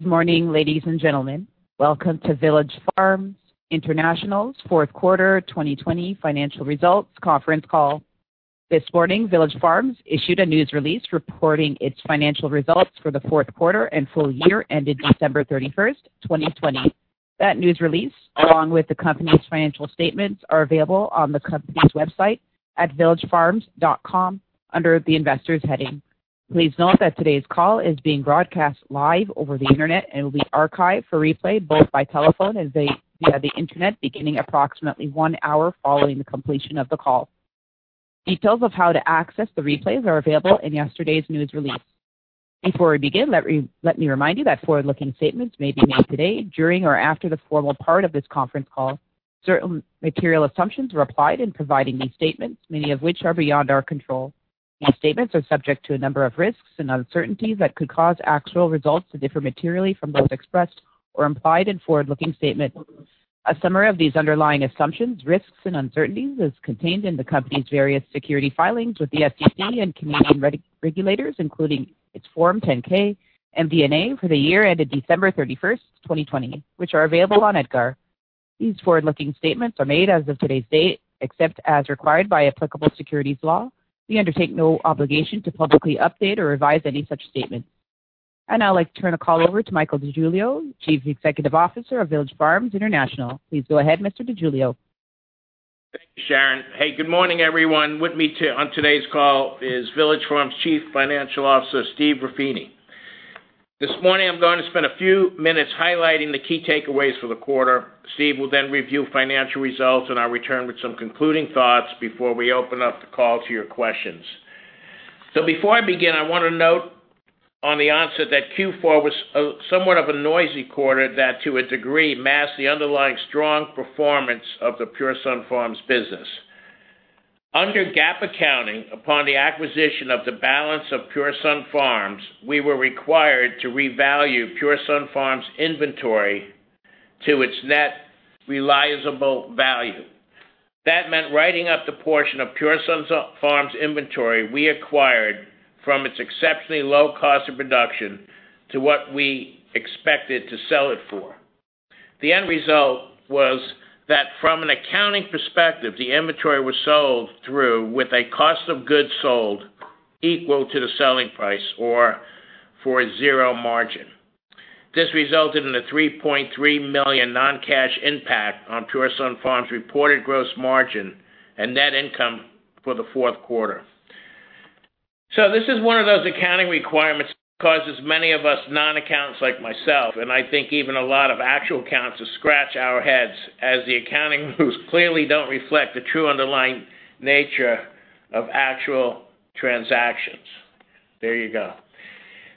Good morning, ladies and gentlemen. Welcome to Village Farms International's Q4 2020 financial results conference call. This morning, Village Farms issued a news release reporting its financial results for theQ4 and full year ended December 31st, 2020. That news release, along with the company's financial statements, are available on the company's website at villagefarms.com under the Investors heading. Please note that today's call is being broadcast live over the Internet and will be archived for replay both by telephone and via the Internet, beginning approximately one hour following the completion of the call. Details of how to access the replays are available in yesterday's news release. Before we begin, let me remind you that forward-looking statements may be made today during or after the formal part of this conference call. Certain material assumptions were applied in providing these statements, many of which are beyond our control. These statements are subject to a number of risks and uncertainties that could cause actual results to differ materially from those expressed or implied in forward-looking statements. A summary of these underlying assumptions, risks, and uncertainties is contained in the company's various securities filings with the SEC and Canadian regulators, including its Form 10-K and AIF for the year ended December 31, 2020, which are available on EDGAR. These forward-looking statements are made as of today's date, except as required by applicable securities law. We undertake no obligation to publicly update or revise any such statement. I'd now like to turn the call over to Michael DeGiglio, Chief Executive Officer of Village Farms International. Please go ahead, Mr. DeGiglio. Thank you, Sharon. Hey, good morning, everyone. With me on today's call is Village Farms' Chief Financial Officer, Stephen Ruffini. This morning, I'm going to spend a few minutes highlighting the key takeaways for the quarter. Steve will then review financial results, and I'll return with some concluding thoughts before we open up the call to your questions. Before I begin, I want to note on the onset that Q4 was somewhat of a noisy quarter that, to a degree, masked the underlying strong performance of the Pure Sunfarms business. Under GAAP accounting, upon the acquisition of the balance of Pure Sunfarms, we were required to revalue Pure Sunfarms' inventory to its net realizable value. That meant writing up the portion of Pure Sunfarms' inventory we acquired from its exceptionally low cost of production to what we expected to sell it for. The end result was that from an accounting perspective, the inventory was sold through with a cost of goods sold equal to the selling price or for a zero margin. This resulted in a $3.3 million non-cash impact on Pure Sunfarms' reported gross margin and net income for the Q4. This is one of those accounting requirements that causes many of us non-accountants like myself, and I think even a lot of actual accountants to scratch our heads as the accounting moves clearly don't reflect the true underlying nature of actual transactions. There you go.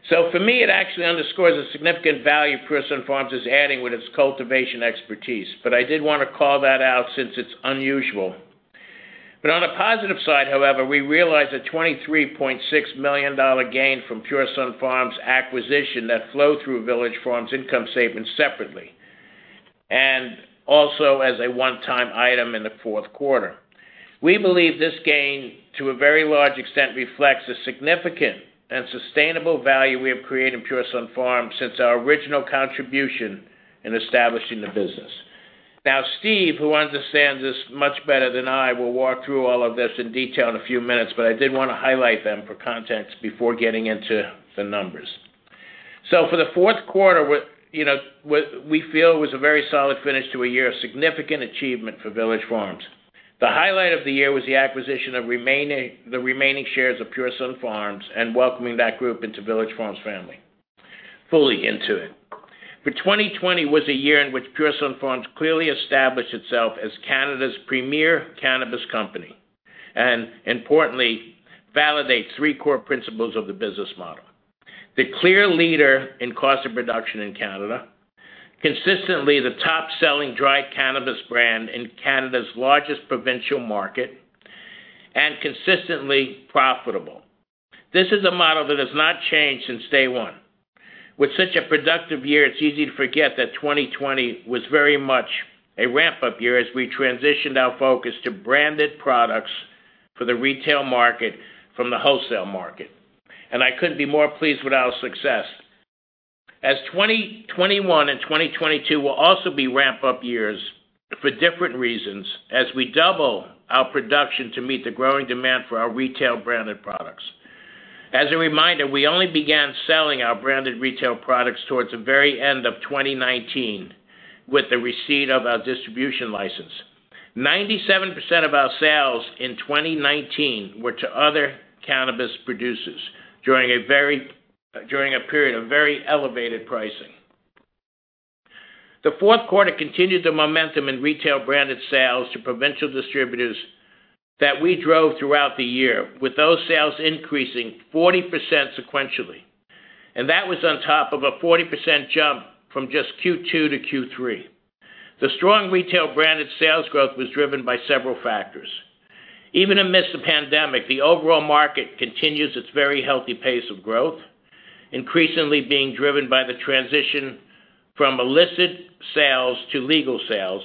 For me, it actually underscores the significant value Pure Sunfarms is adding with its cultivation expertise, but I did want to call that out since it's unusual. On the positive side, however, we realized a $23.6 million gain from Pure Sunfarms acquisition that flow through Village Farms income statement separately, and also as a one-time item in the Q4. We believe this gain, to a very large extent, reflects the significant and sustainable value we have created in Pure Sunfarms since our original contribution in establishing the business. Stephen, who understands this much better than I, will walk through all of this in detail in a few minutes, but I did wanna highlight them for context before getting into the numbers. For the Q4, you know, what we feel was a very solid finish to a year of significant achievement for Village Farms. The highlight of the year was the acquisition of the remaining shares of Pure Sunfarms and welcoming that group into Village Farms family, fully into it. 2020 was a year in which Pure Sunfarms clearly established itself as Canada's premier cannabis company, and importantly, validates three core principles of the business model. The clear leader in cost of production in Canada, consistently the top-selling dry cannabis brand in Canada's largest provincial market, and consistently profitable. This is a model that has not changed since day one. With such a productive year, it's easy to forget that 2020 was very much a ramp-up year as we transitioned our focus to branded products for the retail market from the wholesale market. I couldn't be more pleased with our success. As 2021 and 2022 will also be ramp-up years for different reasons as we double our production to meet the growing demand for our retail branded products. As a reminder, we only began selling our branded retail products towards the very end of 2019 with the receipt of our distribution license. 97% of our sales in 2019 were to other cannabis producers during a period of very elevated pricing. The Q4 continued the momentum in retail branded sales to provincial distributors that we drove throughout the year, with those sales increasing 40% sequentially. That was on top of a 40% jump from just Q2 to Q3. The strong retail branded sales growth was driven by several factors. Even amidst the pandemic, the overall market continues its very healthy pace of growth, increasingly being driven by the transition from illicit sales to legal sales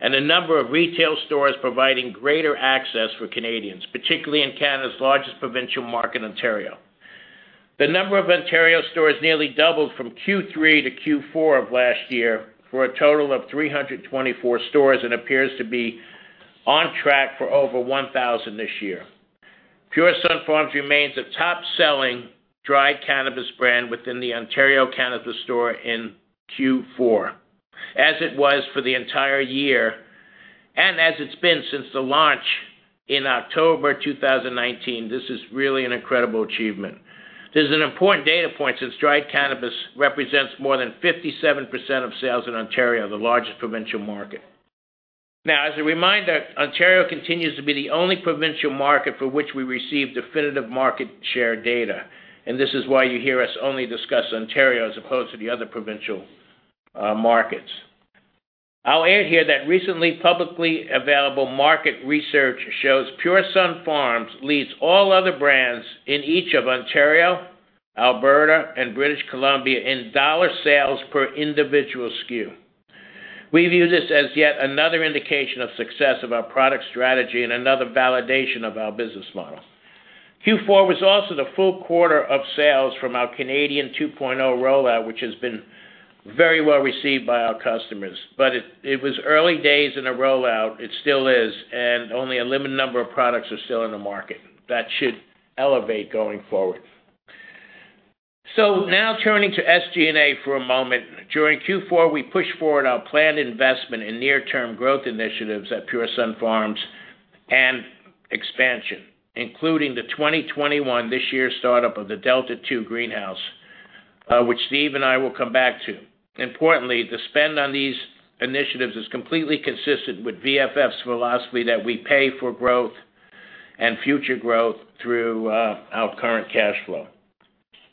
and a number of retail stores providing greater access for Canadians, particularly in Canada's largest provincial market, Ontario. The number of Ontario stores nearly doubled from Q3 to Q4 of last year for a total of 324 stores and appears to be on track for over 1,000 this year. Pure Sunfarms remains a top-selling dried cannabis brand within the Ontario Cannabis Store in Q4, as it was for the entire year and as it's been since the launch in October 2019. This is really an incredible achievement. This is an important data point since dried cannabis represents more than 57% of sales in Ontario, the largest provincial market. As a reminder, Ontario continues to be the only provincial market for which we receive definitive market share data, and this is why you hear us only discuss Ontario as opposed to the other provincial markets. I'll add here that recently, publicly available market research shows Pure Sunfarms leads all other brands in each of Ontario, Alberta, and British Columbia in dollar sales per individual SKU. We view this as yet another indication of success of our product strategy and another validation of our business model. Q4 was also the full quarter of sales from our Canadian 2.0 rollout, which has been very well-received by our customers. It was early days in a rollout, it still is, and only a limited number of products are still in the market. That should elevate going forward. Now turning to SG&A for a moment. During Q4, we pushed forward our planned investment in near-term growth initiatives at Pure Sunfarms and expansion, including the 2021, this year's start-up of the Delta 2 greenhouse, which Steve and I will come back to. Importantly, the spend on these initiatives is completely consistent with VFF's philosophy that we pay for growth and future growth through our current cash flow.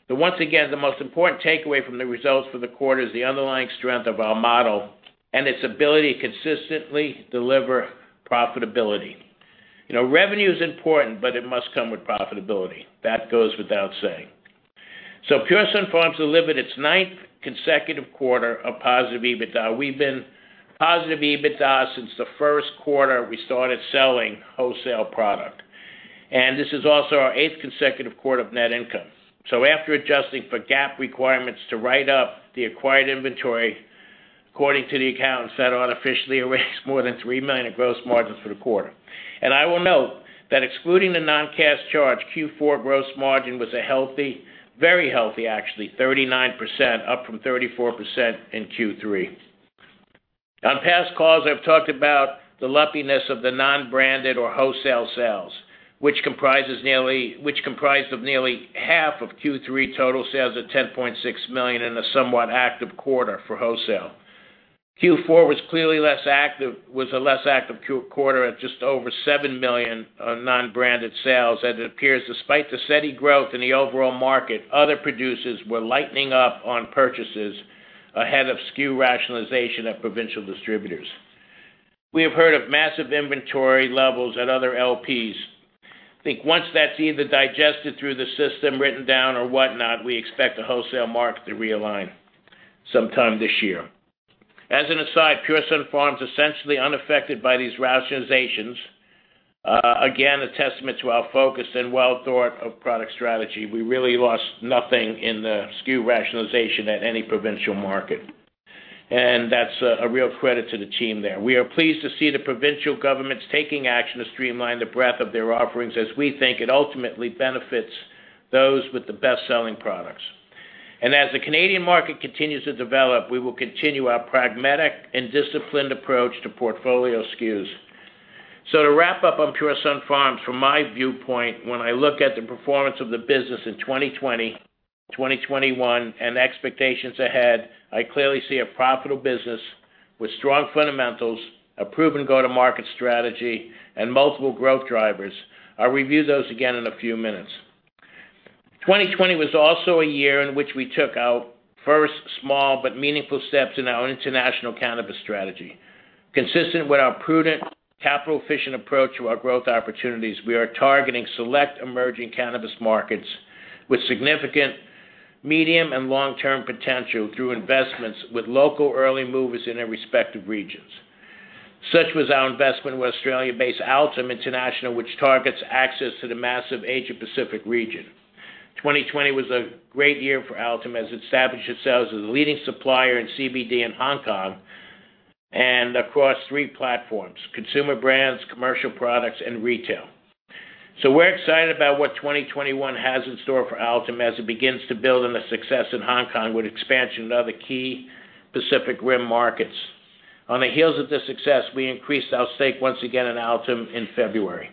Once again, the most important takeaway from the results for the quarter is the underlying strength of our model and its ability to consistently deliver profitability. You know, revenue is important, but it must come with profitability. That goes without saying. Pure Sunfarms delivered its 9th consecutive quarter of positive EBITDA. We've been positive EBITDA since the Q1 we started selling wholesale product, and this is also our 8th consecutive quarter of net income. After adjusting for GAAP requirements to write up the acquired inventory, according to the accountants that artificially erased more than $3 million of gross margins for the quarter. I will note that excluding the non-cash charge, Q4 gross margin was a healthy, very healthy, actually, 39%, up from 34% in Q3. On past calls, I've talked about the lumpiness of the non-branded or wholesale sales, which comprised of nearly half of Q3 total sales of $10.6 million in a somewhat active quarter for wholesale. Q4 was clearly less active, was a less active quarter at just over $7 million non-branded sales, as it appears despite the steady growth in the overall market, other producers were lightening up on purchases ahead of SKU rationalization of provincial distributors. We have heard of massive inventory levels at other LPs. I think once that's either digested through the system, written down or whatnot, we expect the wholesale market to realign sometime this year. As an aside, Pure Sunfarms, essentially unaffected by these rationalizations, again, a testament to our focus and well-thought of product strategy. We really lost nothing in the SKU rationalization at any provincial market, and that's a real credit to the team there. We are pleased to see the provincial governments taking action to streamline the breadth of their offerings as we think it ultimately benefits those with the best-selling products. As the Canadian market continues to develop, we will continue our pragmatic and disciplined approach to portfolio SKUs. To wrap up on Pure Sunfarms, from my viewpoint, when I look at the performance of the business in 2020, 2021, and expectations ahead, I clearly see a profitable business with strong fundamentals, a proven go-to-market strategy, and multiple growth drivers. I'll review those again in a few minutes. 2020 was also a year in which we took our first small but meaningful steps in our international cannabis strategy. Consistent with our prudent, capital-efficient approach to our growth opportunities, we are targeting select emerging cannabis markets with significant medium and long-term potential through investments with local early movers in their respective regions. Such was our investment with Australia-based Altum International, which targets access to the massive Asia-Pacific region. 2020 was a great year for Altum as it established itself as a leading supplier in CBD in Hong Kong and across three platforms: consumer brands, commercial products, and retail. We're excited about what 2021 has in store for Altum as it begins to build on the success in Hong Kong with expansion in other key Pacific Rim markets. On the heels of this success, we increased our stake once again in Altum in February.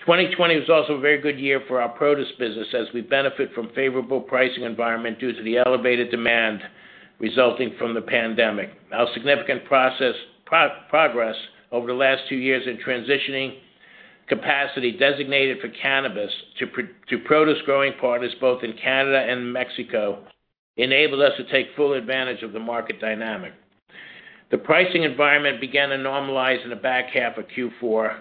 2020 was also a very good year for our produce business as we benefit from favorable pricing environment due to the elevated demand resulting from the pandemic. Our significant progress over the last two years in transitioning capacity designated for cannabis to produce growing partners both in Canada and Mexico enabled us to take full advantage of the market dynamic. The pricing environment began to normalize in the back half of Q4,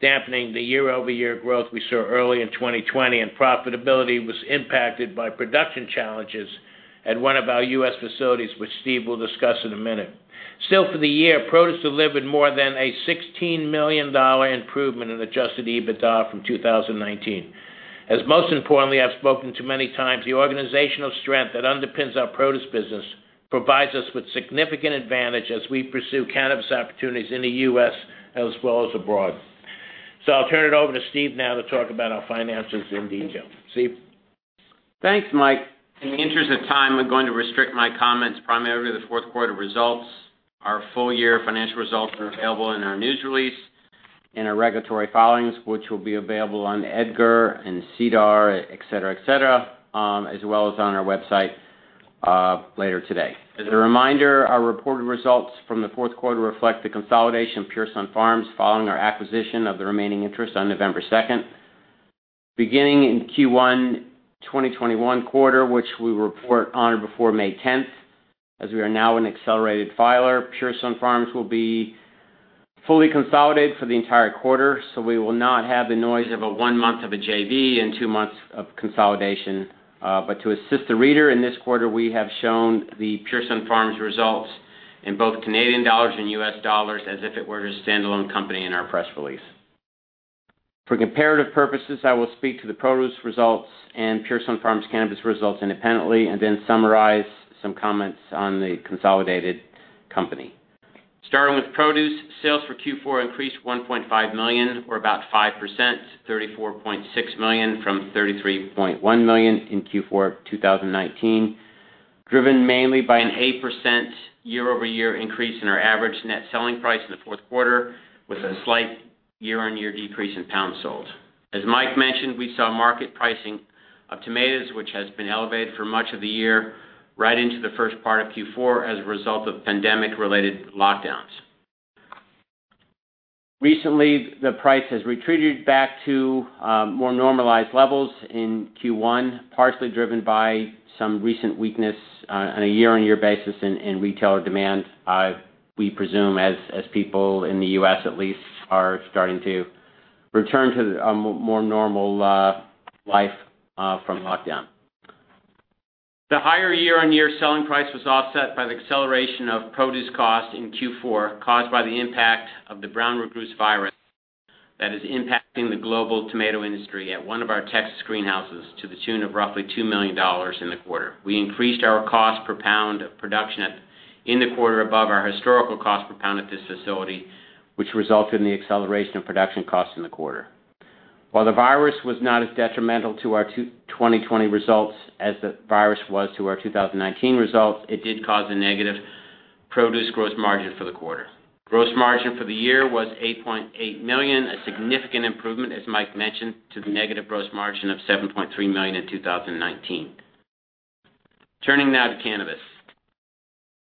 dampening the year-over-year growth we saw early in 2020. Profitability was impacted by production challenges at one of our U.S facilities, which Steve will discuss in a minute. For the year, produce delivered more than a $16 million improvement in adjusted EBITDA from 2019. Most importantly, I've spoken to many times, the organizational strength that underpins our produce business provides us with significant advantage as we pursue cannabis opportunities in the U.S as well as abroad. I'll turn it over to Steve now to talk about our finances in detail. Steve. Thanks, Mike. In the interest of time, I'm going to restrict my comments primarily to theQ4 results. Our full year financial results are available in our news release, in our regulatory filings, which will be available on EDGAR and SEDAR, et cetera, as well as on our website later today. As a reminder, our reported results from the Q4 reflect the consolidation of Pure Sunfarms following our acquisition of the remaining interest on November second. Beginning in Q1 2021 quarter, which we report on or before May tenth, as we are now an accelerated filer, Pure Sunfarms will be fully consolidated for the entire quarter. We will not have the noise of a one month of a JV and two months of consolidation. To assist the reader, in this quarter we have shown the Pure Sunfarms results in both Canadian dollars and U.S dollars as if it were a standalone company in our press release. For comparative purposes, I will speak to the produce results and Pure Sunfarms cannabis results independently, and then summarize some comments on the consolidated company. Starting with produce, sales for Q4 increased $1.5 million or about five percent, $34.6 million from $33.1 million in Q4 2019, driven mainly by an eight percent year-over-year increase in our average net selling price in the Q4 with a slight year-on-year decrease in pounds sold. As Mike mentioned, we saw market pricing of tomatoes, which has been elevated for much of the year right into the first part of Q4 as a result of pandemic related lockdowns. Recently, the price has retreated back to more normalized levels in Q1, partially driven by some recent weakness on a year-on-year basis in retail demand, we presume as people in the U.S. at least are starting to return to a more normal life from lockdown. The higher year-on-year selling price was offset by the acceleration of produce cost in Q4, caused by the impact of the brown rugose virus that is impacting the global tomato industry at one of our Texas greenhouses to the tune of roughly $2 million in the quarter. We increased our cost per pound of production in the quarter above our historical cost per pound at this facility, which resulted in the acceleration of production costs in the quarter. While the virus was not as detrimental to our 2020 results as the virus was to our 2019 results, it did cause a negative produce gross margin for the quarter. Gross margin for the year was $8.8 million, a significant improvement, as Mike mentioned, to the negative gross margin of $7.3 million in 2019. Turning now to cannabis.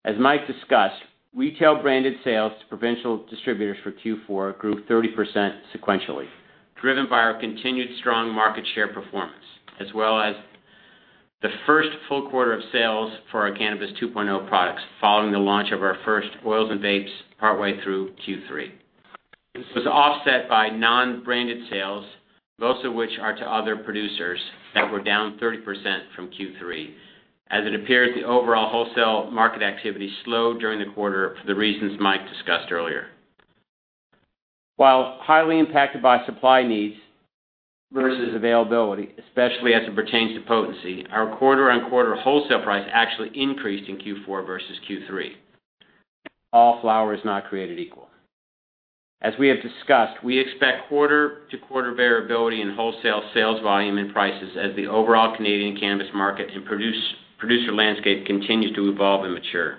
As Mike discussed, retail branded sales to provincial distributors for Q4 grew 30% sequentially, driven by our continued strong market share performance, as well as the first full quarter of sales for our Cannabis 2.0 products following the launch of our first oils and vapes partway through Q3. This was offset by non-branded sales, most of which are to other producers that were down 30% from Q3. As it appears, the overall wholesale market activity slowed during the quarter for the reasons Mike discussed earlier. While highly impacted by supply needs versus availability, especially as it pertains to potency, our quarter-on-quarter wholesale price actually increased in Q4 versus Q3. All flower is not created equal. As we have discussed, we expect quarter-to-quarter variability in wholesale sales volume and prices as the overall Canadian cannabis market and produce-producer landscape continues to evolve and mature.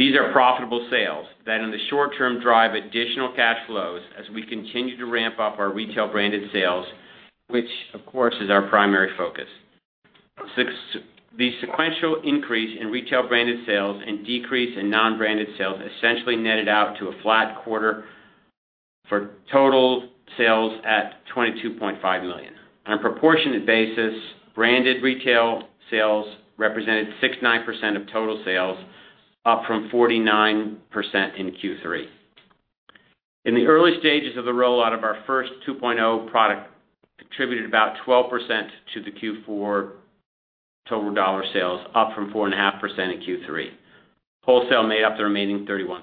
These are profitable sales that in the short term, drive additional cash flows as we continue to ramp up our retail branded sales, which of course is our primary focus. The sequential increase in retail branded sales and decrease in non-branded sales essentially netted out to a flat quarter for total sales at $22.5 million. On a proportionate basis, branded retail sales represented 69% of total sales, up from 49% in Q3. In the early stages of the rollout of our first 2.0 product contributed about 12% to the Q4 total dollar sales, up from 4.5% in Q3. Wholesale made up the remaining 31%.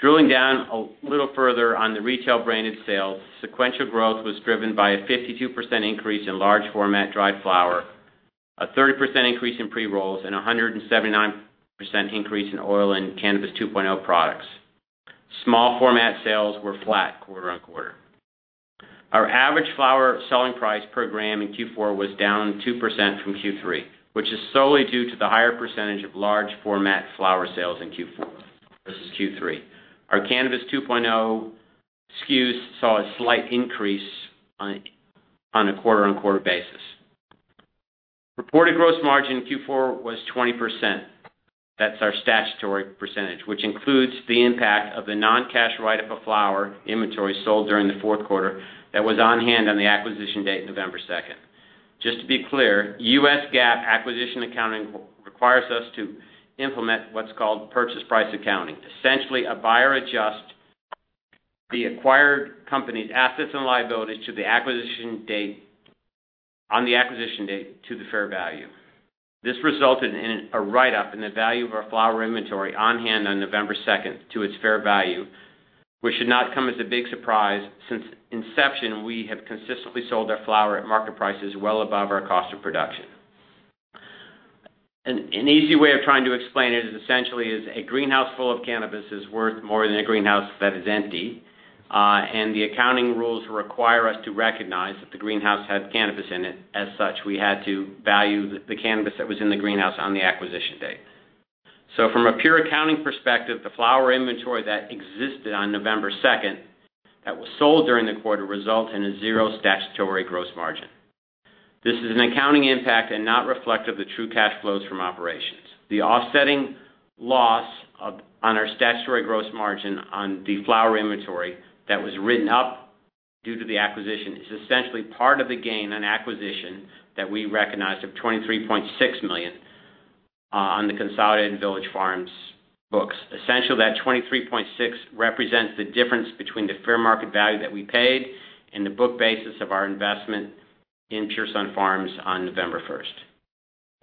Drilling down a little further on the retail branded sales, sequential growth was driven by a 52% increase in large format dried flower, a 30% increase in pre-rolls, and a 179% increase in oil and Cannabis 2.0 products. Small format sales were flat quarter-on-quarter. Our average flower selling price per gram in Q4 was down two percent from Q3, which is solely due to the higher percentage of large format flower sales in Q4 versus Q3. Our Cannabis 2.0 SKUs saw a slight increase on a quarter-on-quarter basis. Reported gross margin in Q4 was 20%. That's our statutory percentage, which includes the impact of the non-cash write-up of flower inventory sold during the Q4 that was on hand on the acquisition date, November second. Just to be clear, US GAAP acquisition accounting requires us to implement what's called purchase price accounting. Essentially, a buyer adjusts the acquired company's assets and liabilities on the acquisition date to the fair value. This resulted in a write-up in the value of our flower inventory on hand on November second to its fair value, which should not come as a big surprise. An easy way of trying to explain it is essentially a greenhouse full of cannabis is worth more than a greenhouse that is empty. The accounting rules require us to recognize that the greenhouse had cannabis in it. As such, we had to value the cannabis that was in the greenhouse on the acquisition date. From a pure accounting perspective, the flower inventory that existed on November 2nd that was sold during the quarter result in a zero statutory gross margin. This is an accounting impact and not reflective of the true cash flows from operations. The offsetting loss on our statutory gross margin on the flower inventory that was written up due to the acquisition is essentially part of the gain on acquisition that we recognized of $23.6 million on the consolidated Village Farms books. Essentially, that $23.6 represents the difference between the fair market value that we paid and the book basis of our investment in Pure Sunfarms on November 1st.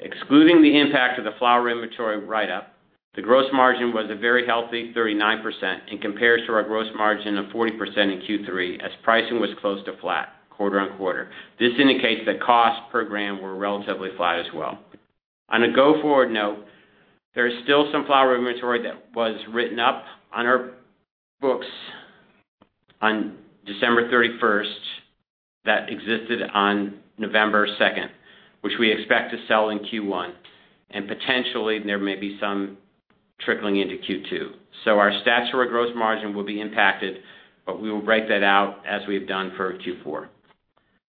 Excluding the impact of the flower inventory write-up, the gross margin was a very healthy 39% and compares to our gross margin of 40% in Q3 as pricing was close to flat quarter-on-quarter. This indicates that cost per gram were relatively flat as well. On a go-forward note, there is still some flower inventory that was written up on our books on December 31st that existed on November 2nd, which we expect to sell in Q1, and potentially there may be some trickling into Q2. Our statutory gross margin will be impacted, but we will write that out as we have done for Q4.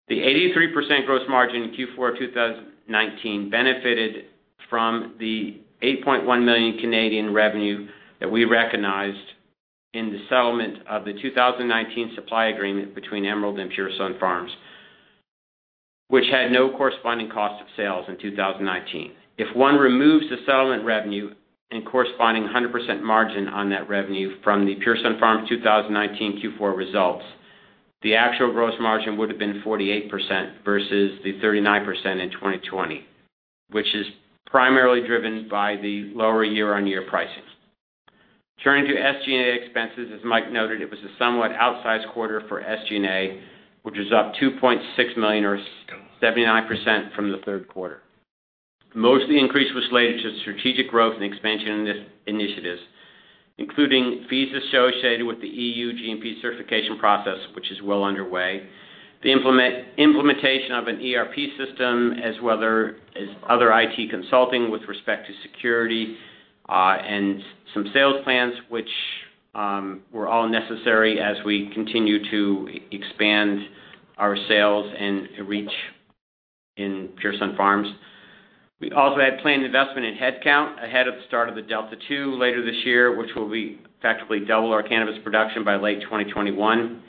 The 83% gross margin in Q4 of 2019 benefited from the 8.1 million revenue that we recognized in the settlement of the 2019 supply agreement between Emerald and Pure Sunfarms, which had no corresponding cost of sales in 2019. If one removes the settlement revenue and corresponding 100% margin on that revenue from the Pure Sunfarms 2019 Q4 results, the actual gross margin would have been 48% versus the 39% in 2020, which is primarily driven by the lower year-on-year pricing. Turning to SG&A expenses, as Mike noted, it was a somewhat outsized quarter for SG&A, which was up 2.6 million or 79% from the tQ3. Most of the increase was related to strategic growth and expansion initiatives, including fees associated with the EU GMP certification process, which is well underway, the implementation of an ERP system, as other IT consulting with respect to security, and some sales plans which were all necessary as we continue to expand our sales and reach in Pure Sunfarms. We also had planned investment in headcount ahead of the start of the Delta Two later this year, which will be effectively double our cannabis production by late 2021.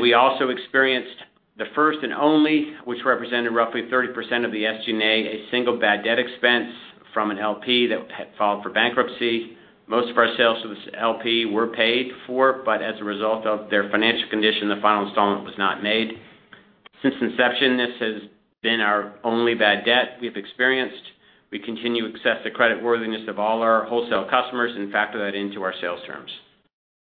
We also experienced the first and only, which represented roughly 30% of the SG&A, a single bad debt expense from an LP that had filed for bankruptcy. Most of our sales to this LP were paid for, as a result of their financial condition, the final installment was not made. Since inception, this has been our only bad debt we've experienced. We continue to assess the creditworthiness of all our wholesale customers and factor that into our sales terms.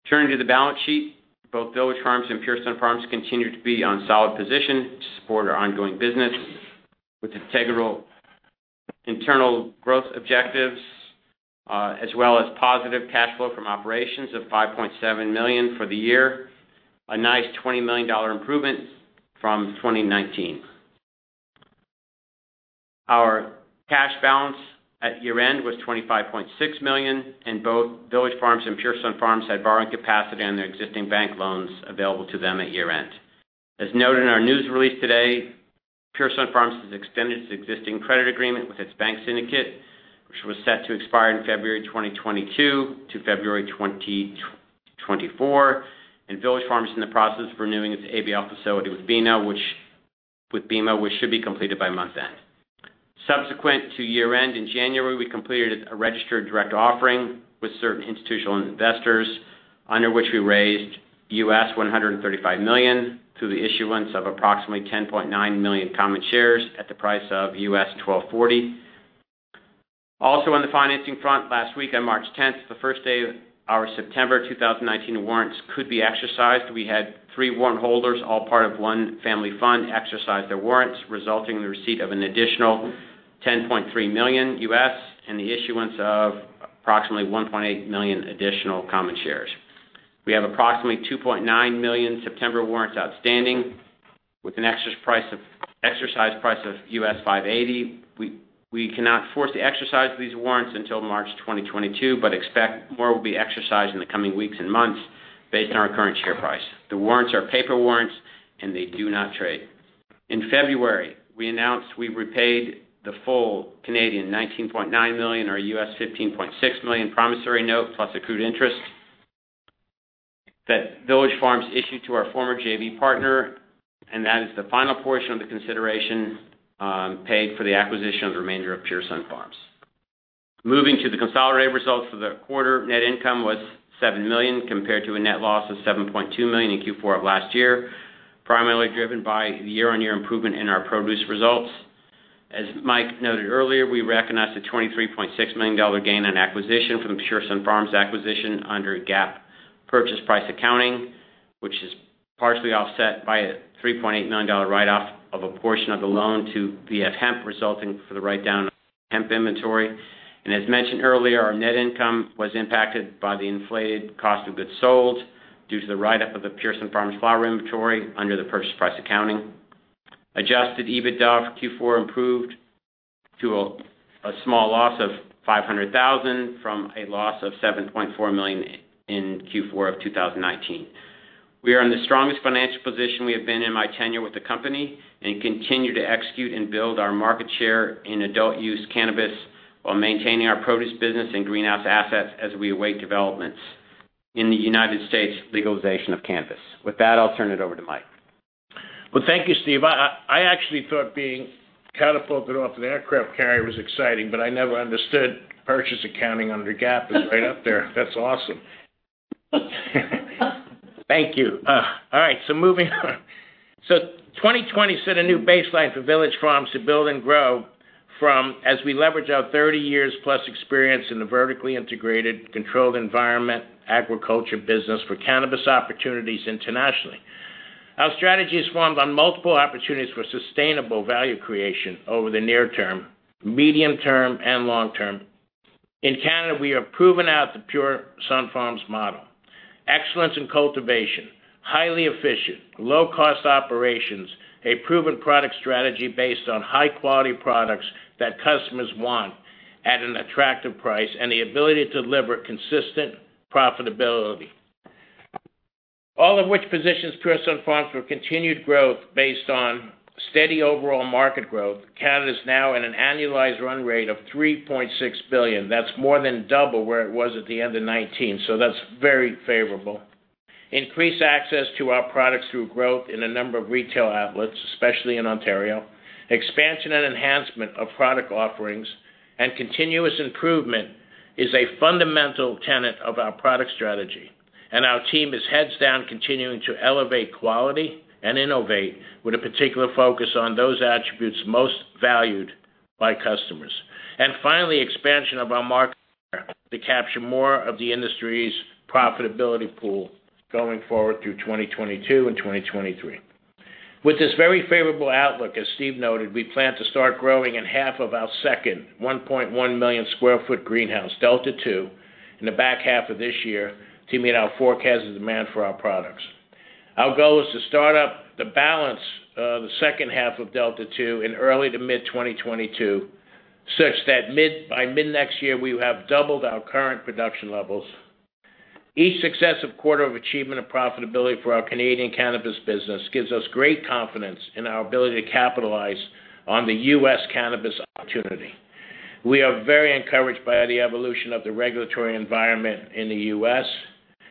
Turning to the balance sheet, both Village Farms and Pure Sunfarms continue to be on solid position to support our ongoing business with integral internal growth objectives, as well as positive cash flow from operations of 5.7 million for the year, a nice 20 million dollar improvement from 2019. Our cash balance at year-end was 25.6 million, and both Village Farms and Pure Sunfarms had borrowing capacity on their existing bank loans available to them at year-end. As noted in our news release today, Pure Sunfarms has extended its existing credit agreement with its bank syndicate, which was set to expire in February 2022 to February 2024, and Village Farms is in the process of renewing its ABL facility with BMO, which should be completed by month-end. Subsequent to year-end in January, we completed a registered direct offering with certain institutional investors under which we raised US $135 million through the issuance of approximately 10.9 million common shares at the price of US $12.40. On the financing front last week on March 10, the first day our September 2019 warrants could be exercised, we had three warrant holders, all part of one family fund, exercise their warrants, resulting in the receipt of an additional $10.3 million and the issuance of approximately 1.8 million additional common shares. We have approximately 2.9 million September warrants outstanding with an exercise price of $5.80. We cannot force the exercise of these warrants until March 2022, but expect more will be exercised in the coming weeks and months based on our current share price. The warrants are paper warrants, and they do not trade. In February, we announced we repaid the full 19.9 million Canadian dollars or $15.6 million promissory note plus accrued interest. That Village Farms issued to our former JV partner, and that is the final portion of the consideration paid for the acquisition of the remainder of Pure Sunfarms. Moving to the consolidated results for the quarter, net income was $7 million compared to a net loss of $7.2 million in Q4 of last year, primarily driven by the year-on-year improvement in our produce results. As Mike noted earlier, we recognized a $23.6 million gain on acquisition from Pure Sunfarms acquisition under GAAP purchase price accounting, which is partially offset by a $3.89 write-off of a portion of the loan to the hemp, resulting for the write-down of hemp inventory. As mentioned earlier, our net income was impacted by the inflated cost of goods sold due to the write-up of the Pure Sunfarms flower inventory under the purchase price accounting. Adjusted EBITDA Q4 improved to a small loss of $500,000 from a loss of $7.4 million in Q4 of 2019. We are in the strongest financial position we have been in my tenure with the company, and continue to execute and build our market share in adult use cannabis while maintaining our produce business and greenhouse assets as we await developments in the U.S. legalization of cannabis. With that, I'll turn it over to Mike. Well, thank you, Steve. I actually thought being catapulted off an aircraft carrier was exciting, but I never understood purchase accounting under GAAP is right up there. That's awesome. Thank you. All right, moving on. 2020 set a new baseline for Village Farms to build and grow from as we leverage our 30-years-plus experience in the vertically integrated, controlled environment, agriculture business for cannabis opportunities internationally. Our strategy is formed on multiple opportunities for sustainable value creation over the near term, medium term, and long term. In Canada, we have proven out the Pure Sunfarms model. Excellence in cultivation, highly efficient, low-cost operations, a proven product strategy based on high-quality products that customers want at an attractive price, and the ability to deliver consistent profitability. All of which positions Pure Sunfarms for continued growth based on steady overall market growth. Canada's now at an annualized run rate of $3.6 billion. That's more than double where it was at the end of 2019. That's very favorable. Increased access to our products through growth in a number of retail outlets, especially in Ontario. Expansion and enhancement of product offerings and continuous improvement is a fundamental tenet of our product strategy. Our team is heads down continuing to elevate quality and innovate with a particular focus on those attributes most valued by customers. Finally, expansion of our market to capture more of the industry's profitability pool going forward through 2022 and 2023. With this very favorable outlook, as Stephen Ruffini noted, we plan to start growing in half of our second 1.1 million sq ft greenhouse, Delta 3, in the back half of this year to meet our forecasted demand for our products. Our goal is to start up the balance of the second half of Delta Two in early to mid 2022, such that mid, by mid next year, we will have doubled our current production levels. Each successive quarter of achievement of profitability for our Canadian cannabis business gives us great confidence in our ability to capitalize on the U.S. cannabis opportunity. We are very encouraged by the evolution of the regulatory environment in the U.S.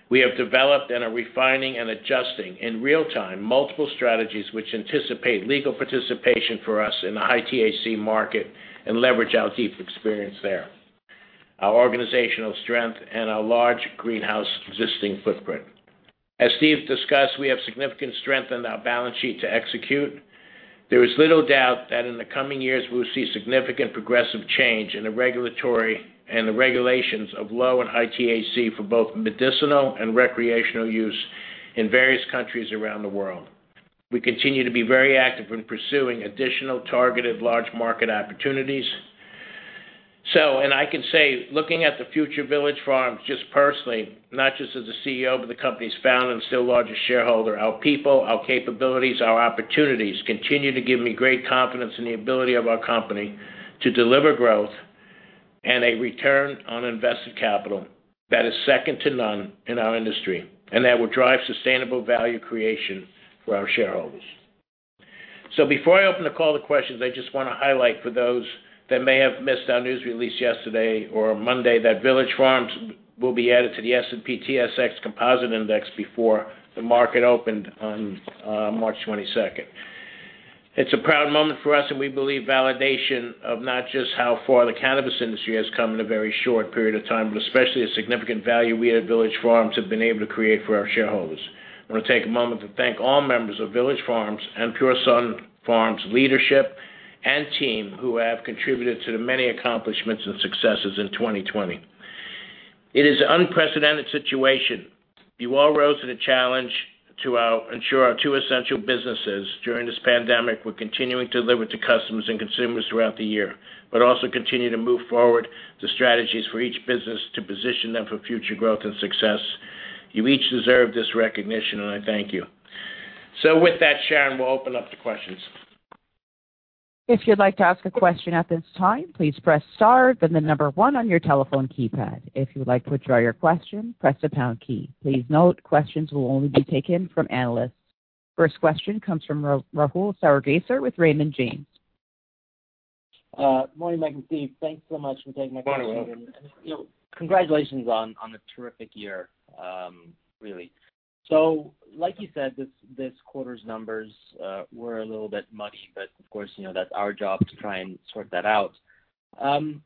We have developed and are refining and adjusting in real time multiple strategies which anticipate legal participation for us in the high-THC market and leverage our deep experience there, our organizational strength, and our large greenhouse existing footprint. As Steve discussed, we have significant strength in our balance sheet to execute. There is little doubt that in the coming years, we will see significant progressive change in the regulatory and the regulations of low and high THC for both medicinal and recreational use in various countries around the world. We continue to be very active in pursuing additional targeted large market opportunities. I can say, looking at the future Village Farms, just personally, not just as the CEO, but the company's founder and still largest shareholder, our people, our capabilities, our opportunities continue to give me great confidence in the ability of our company to deliver growth and a return on invested capital that is second to none in our industry, and that will drive sustainable value creation for our shareholders. Before I open the call to questions, I just wanna highlight for those that may have missed our news release yesterday or Monday that Village Farms will be added to the S&P/TSX Composite Index before the market opened on March 22nd. It's a proud moment for us, and we believe validation of not just how far the cannabis industry has come in a very short period of time, but especially the significant value we at Village Farms have been able to create for our shareholders. I wanna take a moment to thank all members of Village Farms and Pure Sunfarms leadership and team who have contributed to the many accomplishments and successes in 2020. It is unprecedented situation. You all rose to the challenge to ensure our two essential businesses during this pandemic were continuing to deliver to customers and consumers throughout the year, but also continue to move forward the strategies for each business to position them for future growth and success. You each deserve this recognition, and I thank you. With that, Sharon, we'll open up to questions. If you'd like to ask a question at this time, please press star then the number one on your telephone keypad. If you'd like to withdraw your question, press the pound key. Please note questions will only be taken from analysts. First question comes from Rahul Sarugaser with Raymond James. Morning, Mike and Steve. Thanks so much for taking my call. Morning, Rahul. You know, congratulations on a terrific year, really. Like you said, this quarter's numbers were a little bit muddy, but of course, you know, that's our job to try and sort that out. You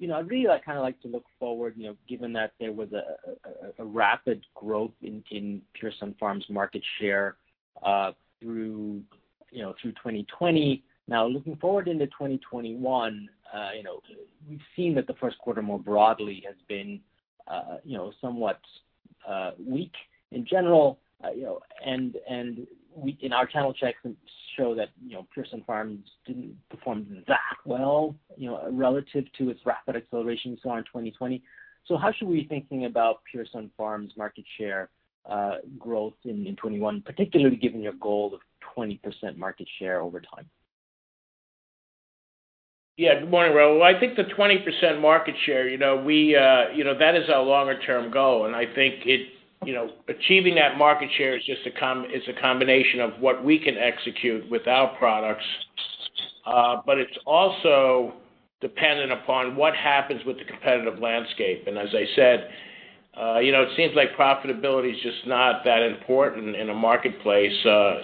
know, I'd really like, kinda like to look forward, you know, given that there was a rapid growth in Pure Sunfarms market share, through, you know, through 2020. Now, looking forward into 2021, you know, we've seen that the Q1 more broadly has been, you know, somewhat weak in general. You know, in our channel checks show that, you know, Pure Sunfarms didn't perform that well, you know, relative to its rapid acceleration and so on in 2020. How should we be thinking about Pure Sunfarms market share, growth in 2021, particularly given your goal of 20% market share over time? Good morning, Rahul. I think the 20% market share, you know, we, you know, that is our longer term goal, and I think You know, achieving that market share is just a combination of what we can execute with our products. It's also dependent upon what happens with the competitive landscape. As I said, you know, it seems like profitability is just not that important in a marketplace,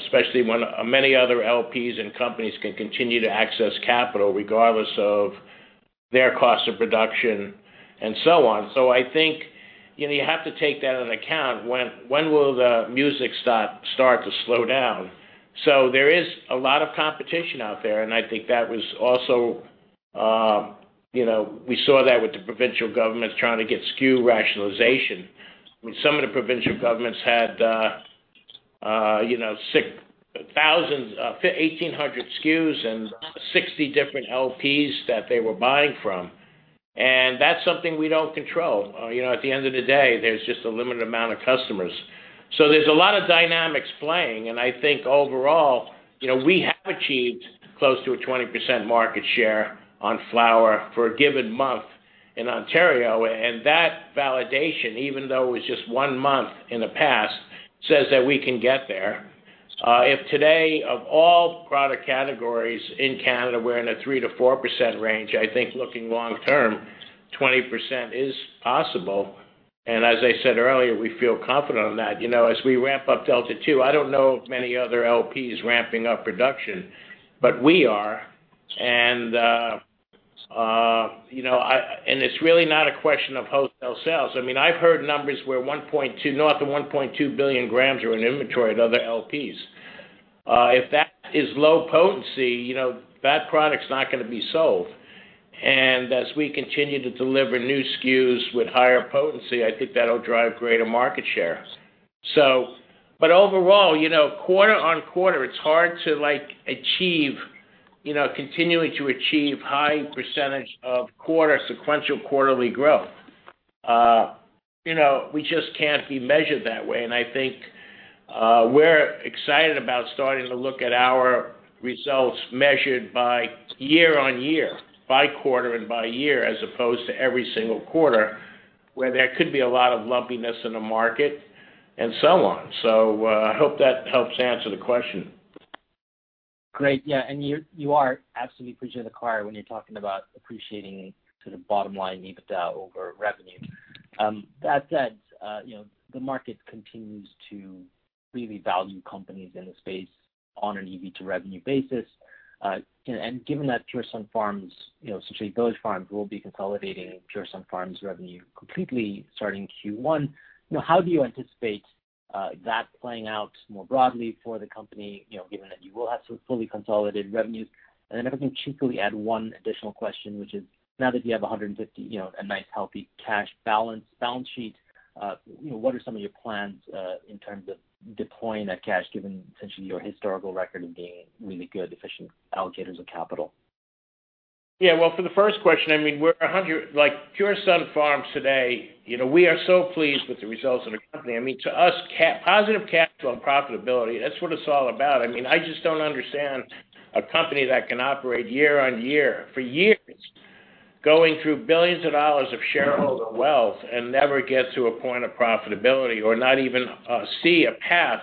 especially when many other LPs and companies can continue to access capital regardless of their cost of production and so on. I think, you know, you have to take that into account. When will the music stop, start to slow down? There is a lot of competition out there, and I think that was also, you know, we saw that with the provincial governments trying to get SKU rationalization. I mean, some of the provincial governments had, you know, 6,000, 800 SKUs and 60 different LPs that they were buying from. That's something we don't control. You know, at the end of the day, there's just a limited amount of customers. There's a lot of dynamics playing, and I think overall, you know, we have achieved close to a 20% market share on flower for a given month in Ontario, and that validation, even though it was just one month in the past, says that we can get there. If today, of all product categories in Canada, we're in a three-four percent range, I think looking long term, 20% is possible. As I said earlier, we feel confident on that. You know, as we ramp up Delta three, I don't know of many other LPs ramping up production, but we are. It's really not a question of wholesale sales. I mean, I've heard numbers where 1.2, north of 1.2 billion grams are in inventory at other LPs. If that is low potency, you know, that product's not gonna be sold. As we continue to deliver new SKUs with higher potency, I think that'll drive greater market share. Overall, you know, quarter-on-quarter, it's hard to, like, achieve, you know, continuing to achieve high percentage of quarter, sequential quarterly growth. You know, we just can't be measured that way, and I think, we're excited about starting to look at our results measured by year-on-year, by quarter and by year, as opposed to every single quarter, where there could be a lot of lumpiness in the market and so on. I hope that helps answer the question. Great. Yeah. You are absolutely preaching to the choir when you're talking about appreciating sort of bottom-line EBITDA over revenue. That said, you know, the market continues to really value companies in the space on an EB to revenue basis. Given that Pure Sunfarms, you know, essentially Pure Sunfarms will be consolidating Pure Sunfarms revenue completely starting Q1, you know, how do you anticipate that playing out more broadly for the company, you know, given that you will have sort of fully consolidated revenues? If I can cheaply add one additional question, which is, now that you have $150, you know, a nice, healthy cash balance sheet, you know, what are some of your plans in terms of deploying that cash, given essentially your historical record of being really good, efficient allocators of capital? Yeah. Well, for the first question, I mean, Pure Sunfarms today, you know, we are so pleased with the results of the company. I mean, to us, positive capital and profitability, that's what it's all about. I mean, I just don't understand a company that can operate year on year for years going through $billions of shareholder wealth and never gets to a point of profitability or not even see a path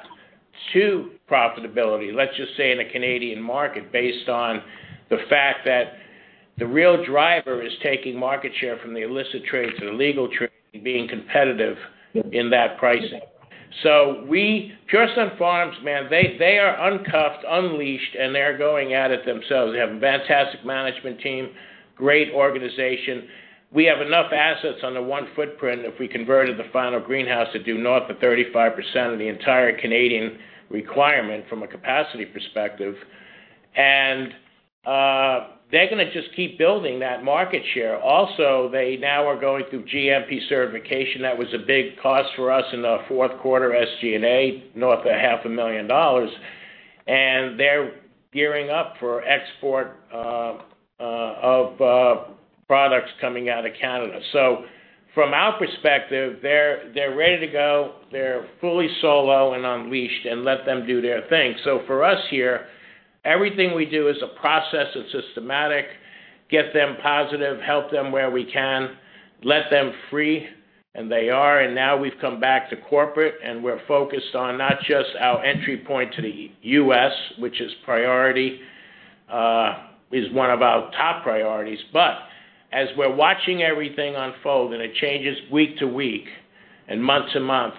to profitability, let's just say in a Canadian market, based on the fact that the real driver is taking market share from the illicit trade to the legal trade and being competitive in that pricing. Pure Sunfarms, man, they are uncuffed, unleashed, and they are going at it themselves. They have a fantastic management team, great organization. We have enough assets under one footprint if we converted the final greenhouse to do north of 35% of the entire Canadian requirement from a capacity perspective. They're gonna just keep building that market share. Also, they now are going through GMP certification. That was a big cost for us in the fourth quarter, SG&A, north of half a million dollars. They're gearing up for export of products coming out of Canada. From our perspective, they're ready to go. They're fully solo and unleashed, and let them do their thing. For us here, everything we do is a process. It's systematic. Get them positive, help them where we can, let them free. They are, now we've come back to corporate, and we're focused on not just our entry point to the U.S., which is priority, is one of our top priorities. As we're watching everything unfold, and it changes week to week and month to month,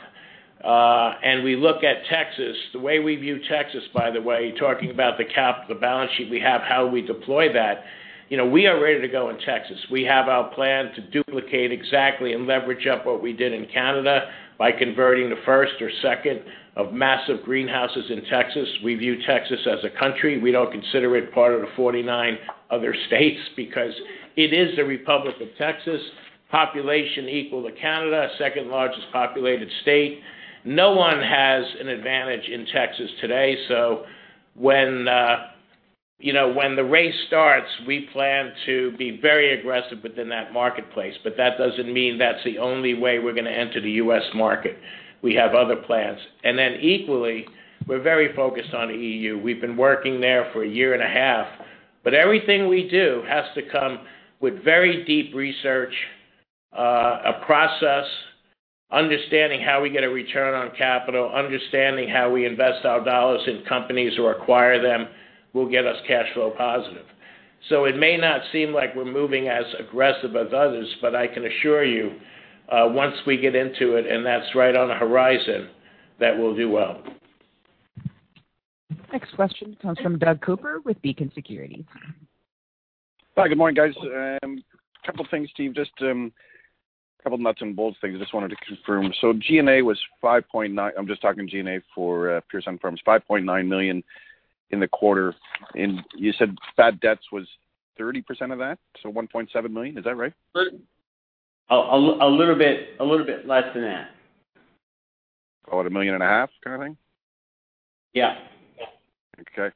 and we look at Texas, the way we view Texas, by the way, talking about the balance sheet we have, how we deploy that, you know, we are ready to go in Texas. We have our plan to duplicate exactly and leverage up what we did in Canada by converting the 1st or 2nd of massive greenhouses in Texas. We view Texas as a country. We don't consider it part of the 49 other states because it is the Republic of Texas, population equal to Canada, 2nd-largest populated state. No one has an advantage in Texas today. When, you know, when the race starts, we plan to be very aggressive within that marketplace. That doesn't mean that's the only way we're gonna enter the U.S. market. We have other plans. Equally, we're very focused on EU. We've been working there for a year and a half. Everything we do has to come with very deep research, a process, understanding how we get a return on capital, understanding how we invest our dollars in companies who acquire them will get us cash flow positive. It may not seem like we're moving as aggressive as others, but I can assure you, once we get into it, and that's right on the horizon, that we'll do well. Next question comes from Doug Cooper with Beacon Securities. Hi, good morning, guys. Couple things, Steve, just couple nuts and bolts things I just wanted to confirm. G&A was $5.9. I'm just talking G&A for Pure Sunfarms, $5.9 million in the quarter. You said bad debts was 30% of that, $1.7 million. Is that right? A little bit, a little bit less than that. About a million and a half kind of thing? Yeah. Okay.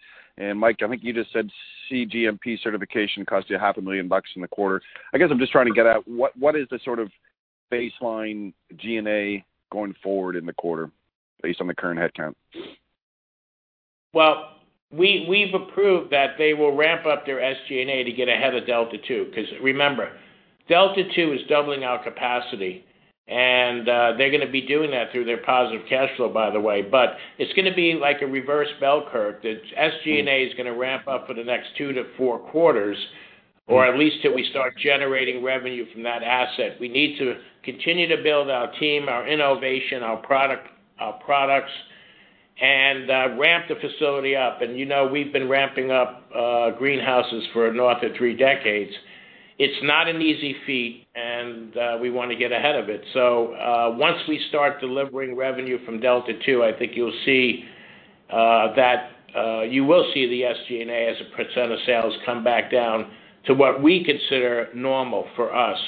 Mike, I think you just said CGMP certification cost you half a million dollars in the quarter. I guess I'm just trying to get at, what is the sort of baseline G&A going forward in the quarter based on the current headcount? Well, we've approved that they will ramp up their SG&A to get ahead of Delta Two. Remember, Delta Two is doubling our capacity, and they're gonna be doing that through their positive cash flow, by the way. It's gonna be like a reverse bell curve that SG&A is gonna ramp up for the next Q2-Q4 or at least till we start generating revenue from that asset. We need to continue to build our team, our innovation, our product, our products, and ramp the facility up. You know we've been ramping up greenhouses for north of three decades. It's not an easy feat, and we wanna get ahead of it. Once we start delivering revenue from Delta two, I think you'll see that you will see the SG&A as a percent of sales come back down to what we consider normal for us,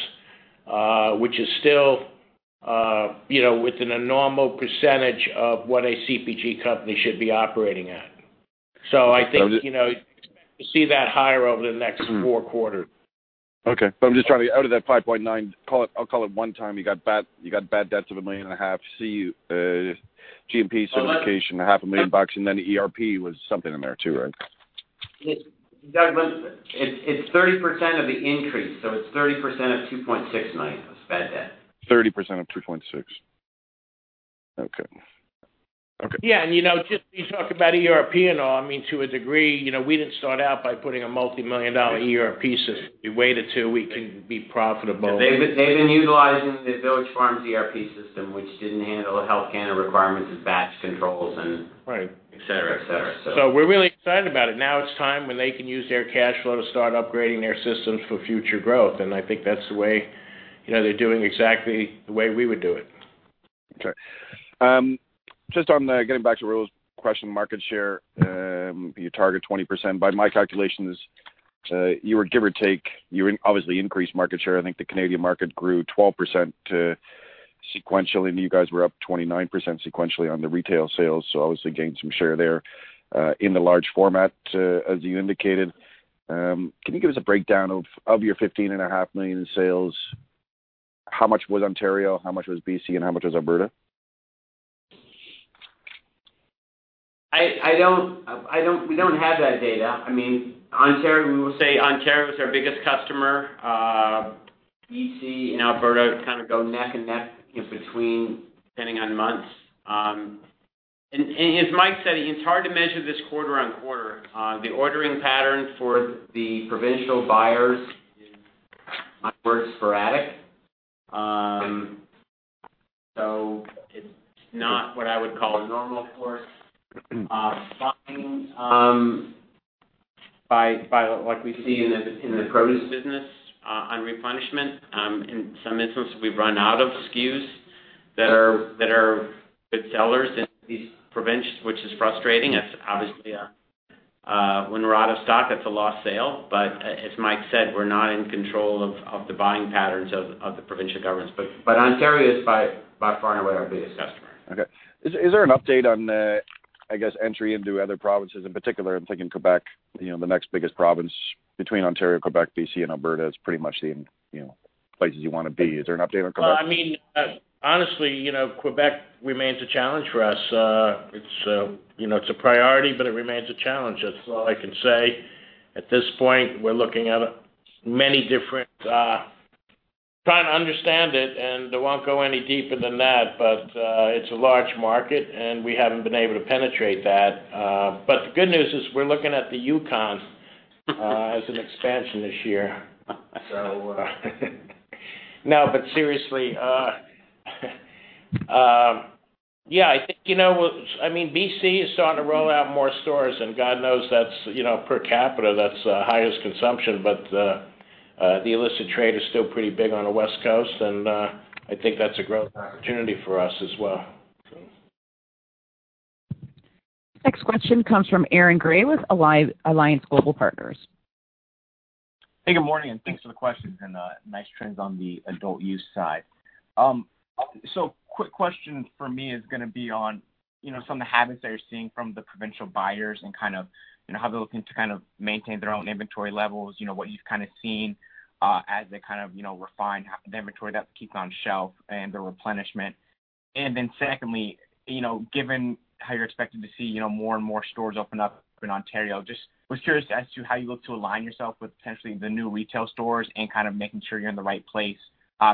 which is still, you know, within a normal percent of what a CPG company should be operating at. So the- You know, you see that higher over the nextQ4. Okay. I'm just trying to Out of that 5.9, call it one time, you got bad debts of a million and a half, C, GMP certification. Well, A half a million bucks, ERP was something in there too, right? Doug, It's 30% of the increase, so it's 30% of $2.69 of bad debt. 30% of 2.6. Okay. Okay. Yeah. You know, just you talk about ERP and all, I mean, to a degree, you know, we didn't start out by putting a multi-million dollar ERP system. We waited till we can be profitable. They've been utilizing the Village Farms ERP system, which didn't handle Health Canada requirements as batch controls and. Right -et cetera, et cetera. We're really excited about it. Now it's time when they can use their cash flow to start upgrading their systems for future growth. I think that's the way You know, they're doing exactly the way we would do it. Just on the Getting back to Rahul's question, market share, you target 20%. By my calculations, you were give or take, you obviously increased market share. I think the Canadian market grew 12% sequentially, and you guys were up 29% sequentially on the retail sales, so obviously gained some share there in the large format, as you indicated. Can you give us a breakdown of your $15.5 million in sales? How much was Ontario, how much was B.C., and how much was Alberta? We don't have that data. I mean, Ontario, we will say Ontario is our biggest customer. BC and Alberta kind of go neck and neck in between depending on months. As Mike said, it's hard to measure this quarter-on-quarter. The ordering patterns for the provincial buyers is, at worst, sporadic. It's not what I would call a normal course buying by what we see in the produce business on replenishment. In some instances, we've run out of SKUs that are good sellers in these province, which is frustrating as obviously, when we're out of stock, it's a lost sale. As Mike said, we're not in control of the buying patterns of the provincial governments. Ontario is by far and away our biggest customer. Okay. Is there an update on the, I guess, entry into other provinces, in particular, I'm thinking Quebec, you know, the next biggest province between Ontario, Quebec, B.C., and Alberta is pretty much the, you know, places you wanna be. Is there an update on Quebec? Well, I mean, honestly, you know, Quebec remains a challenge for us. It's, you know, it's a priority, but it remains a challenge. That's all I can say. At this point, we're looking at many different trying to understand it, and I won't go any deeper than that. It's a large market, and we haven't been able to penetrate that. The good news is we're looking at the Yukon as an expansion this year. No, seriously, yeah, I think, you know, I mean, B.C. is starting to roll out more stores, and God knows that's, you know, per capita, that's the highest consumption. The illicit trade is still pretty big on the West Coast, and I think that's a growth opportunity for us as well. Next question comes from Aaron Grey with Alliance Global Partners. Hey, good morning and thanks for the questions, and nice trends on the adult use side. Quick question from me is gonna be on, you know, some of the habits that you're seeing from the provincial buyers and kind of, you know, how they're looking to kind of maintain their own inventory levels. You know, what you've kind of seen as they kind of, you know, refine the inventory that keeps on shelf and the replenishment? Secondly, you know, given how you're expecting to see, you know, more and more stores open up in Ontario, just was curious as to how you look to align yourself with potentially the new retail stores and kind of making sure you're in the right place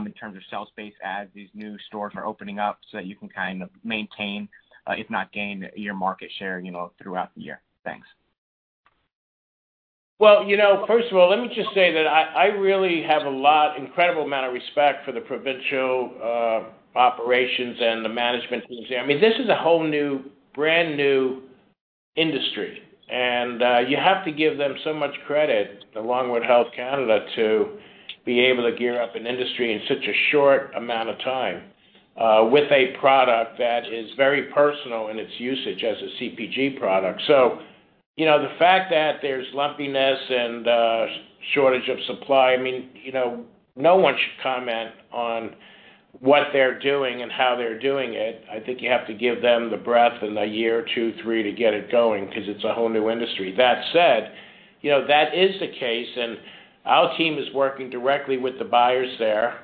in terms of shelf space as these new stores are opening up so that you can kind of maintain, if not gain your market share, you know, throughout the year. Thanks. Well, you know, first of all, let me just say that I really have an incredible amount of respect for the provincial operations and the management teams there. I mean, this is a whole new, brand new industry, and you have to give them so much credit, along with Health Canada, to be able to gear up an industry in such a short amount of time with a product that is very personal in its usage as a CPG product. You know, the fact that there's lumpiness and shortage of supply, I mean, you know, no one should comment on what they're doing and how they're doing it. I think you have to give them the breadth and the year or two, three to get it going because it's a whole new industry. That said, you know, that is the case, and our team is working directly with the buyers there.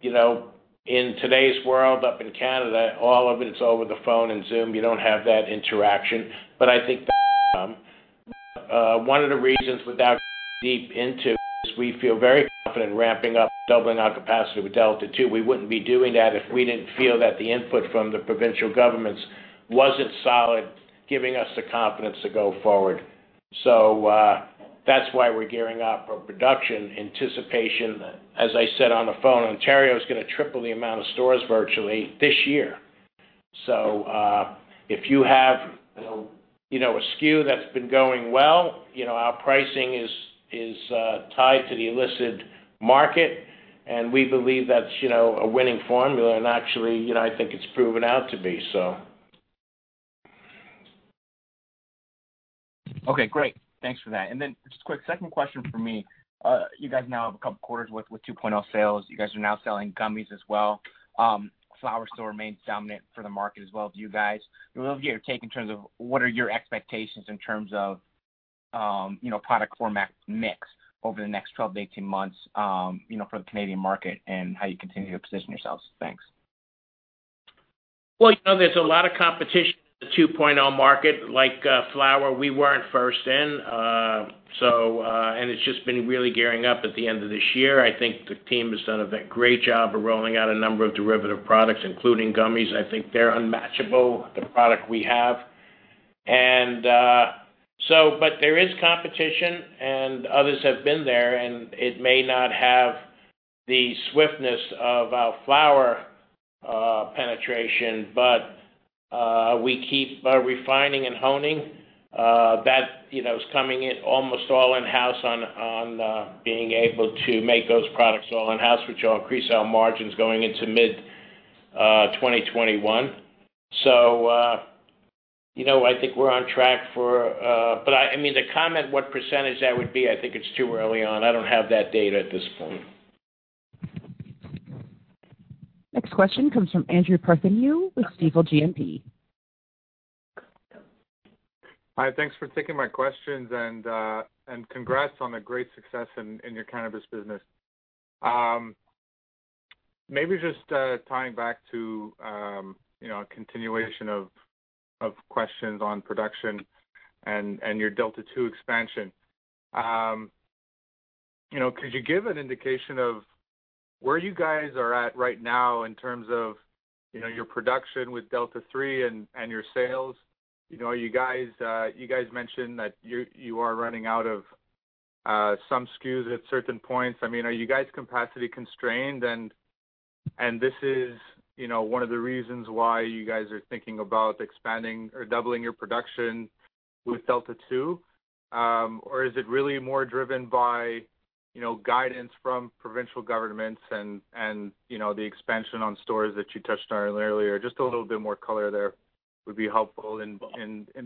You know, in today's world up in Canada, all of it is over the phone and Zoom. You don't have that interaction, but I think that will come. One of the reasons without getting too deep into it is we feel very confident ramping up, doubling our capacity with Delta 3. We wouldn't be doing that if we didn't feel that the input from the provincial governments wasn't solid, giving us the confidence to go forward. That's why we're gearing up for production in anticipation that, as I said on the phone, Ontario is gonna triple the amount of stores virtually this year. If you have, you know, you know, a SKU that's been going well, you know, our pricing is tied to the illicit market, and we believe that's, you know, a winning formula. Actually, you know, I think it's proven out to be, so Okay, great. Thanks for that. Then just a quick second question from me. You guys now have a couple quarters with 2.0 sales. You guys are now selling gummies as well. Flower store remains dominant for the market as well with you guys. I'd love to get your take in terms of what are your expectations in terms of, you know, product format mix over the next 12-18 months, you know, for the Canadian market and how you continue to position yourselves. Thanks. Well, you know, there's a lot of competition in the 2.0 market. Like, flower, we weren't first in. It's just been really gearing up at the end of this year. I think the team has done a great job of rolling out a number of derivative products, including gummies. I think they're unmatchable, the product we have. There is competition, and others have been there, and it may not have the swiftness of our flower penetration. We keep refining and honing that, you know, is coming in almost all in-house on being able to make those products all in-house, which will increase our margins going into mid-2021. I mean, to comment what percentage that would be, I think it's too early on. I don't have that data at this point. Next question comes from Andrew Partheniou with Stifel GMP. Hi, thanks for taking my questions. Congrats on the great success in your cannabis business. Maybe just, you know, tying back to a continuation of questions on production and your Delta two expansion. You know, could you give an indication of where you guys are at right now in terms of, you know, your production with Delta three and your sales? You guys mentioned that you are running out of some SKUs at certain points. I mean, are you guys capacity constrained, and this is, you know, one of the reasons why you guys are thinking about expanding or doubling your production with Delta two? Is it really more driven by, you know, guidance from provincial governments and, you know, the expansion on stores that you touched on earlier? Just a little bit more color there would be helpful in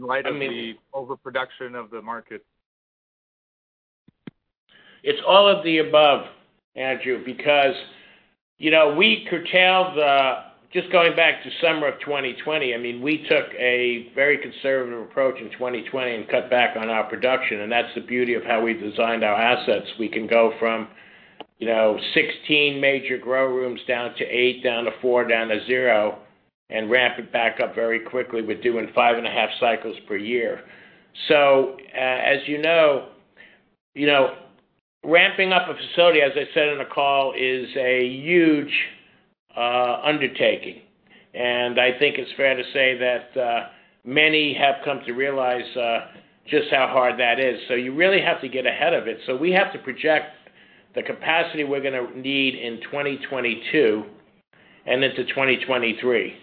light of the. I mean- -overproduction of the market. It's all of the above, Andrew, because, you know, we curtailed going back to summer of 2020, I mean, we took a very conservative approach in 2020 and cut back on our production, and that's the beauty of how we designed our assets. We can go from, you know, 16 major grow rooms down to eight, down to four, down to zero. Ramp it back up very quickly. We're doing 5.5 cycles per year. As you know, you know, ramping up a facility, as I said on the call, is a huge undertaking. I think it's fair to say that many have come to realize just how hard that is. You really have to get ahead of it. We have to project the capacity we're gonna need in 2022 and into 2023.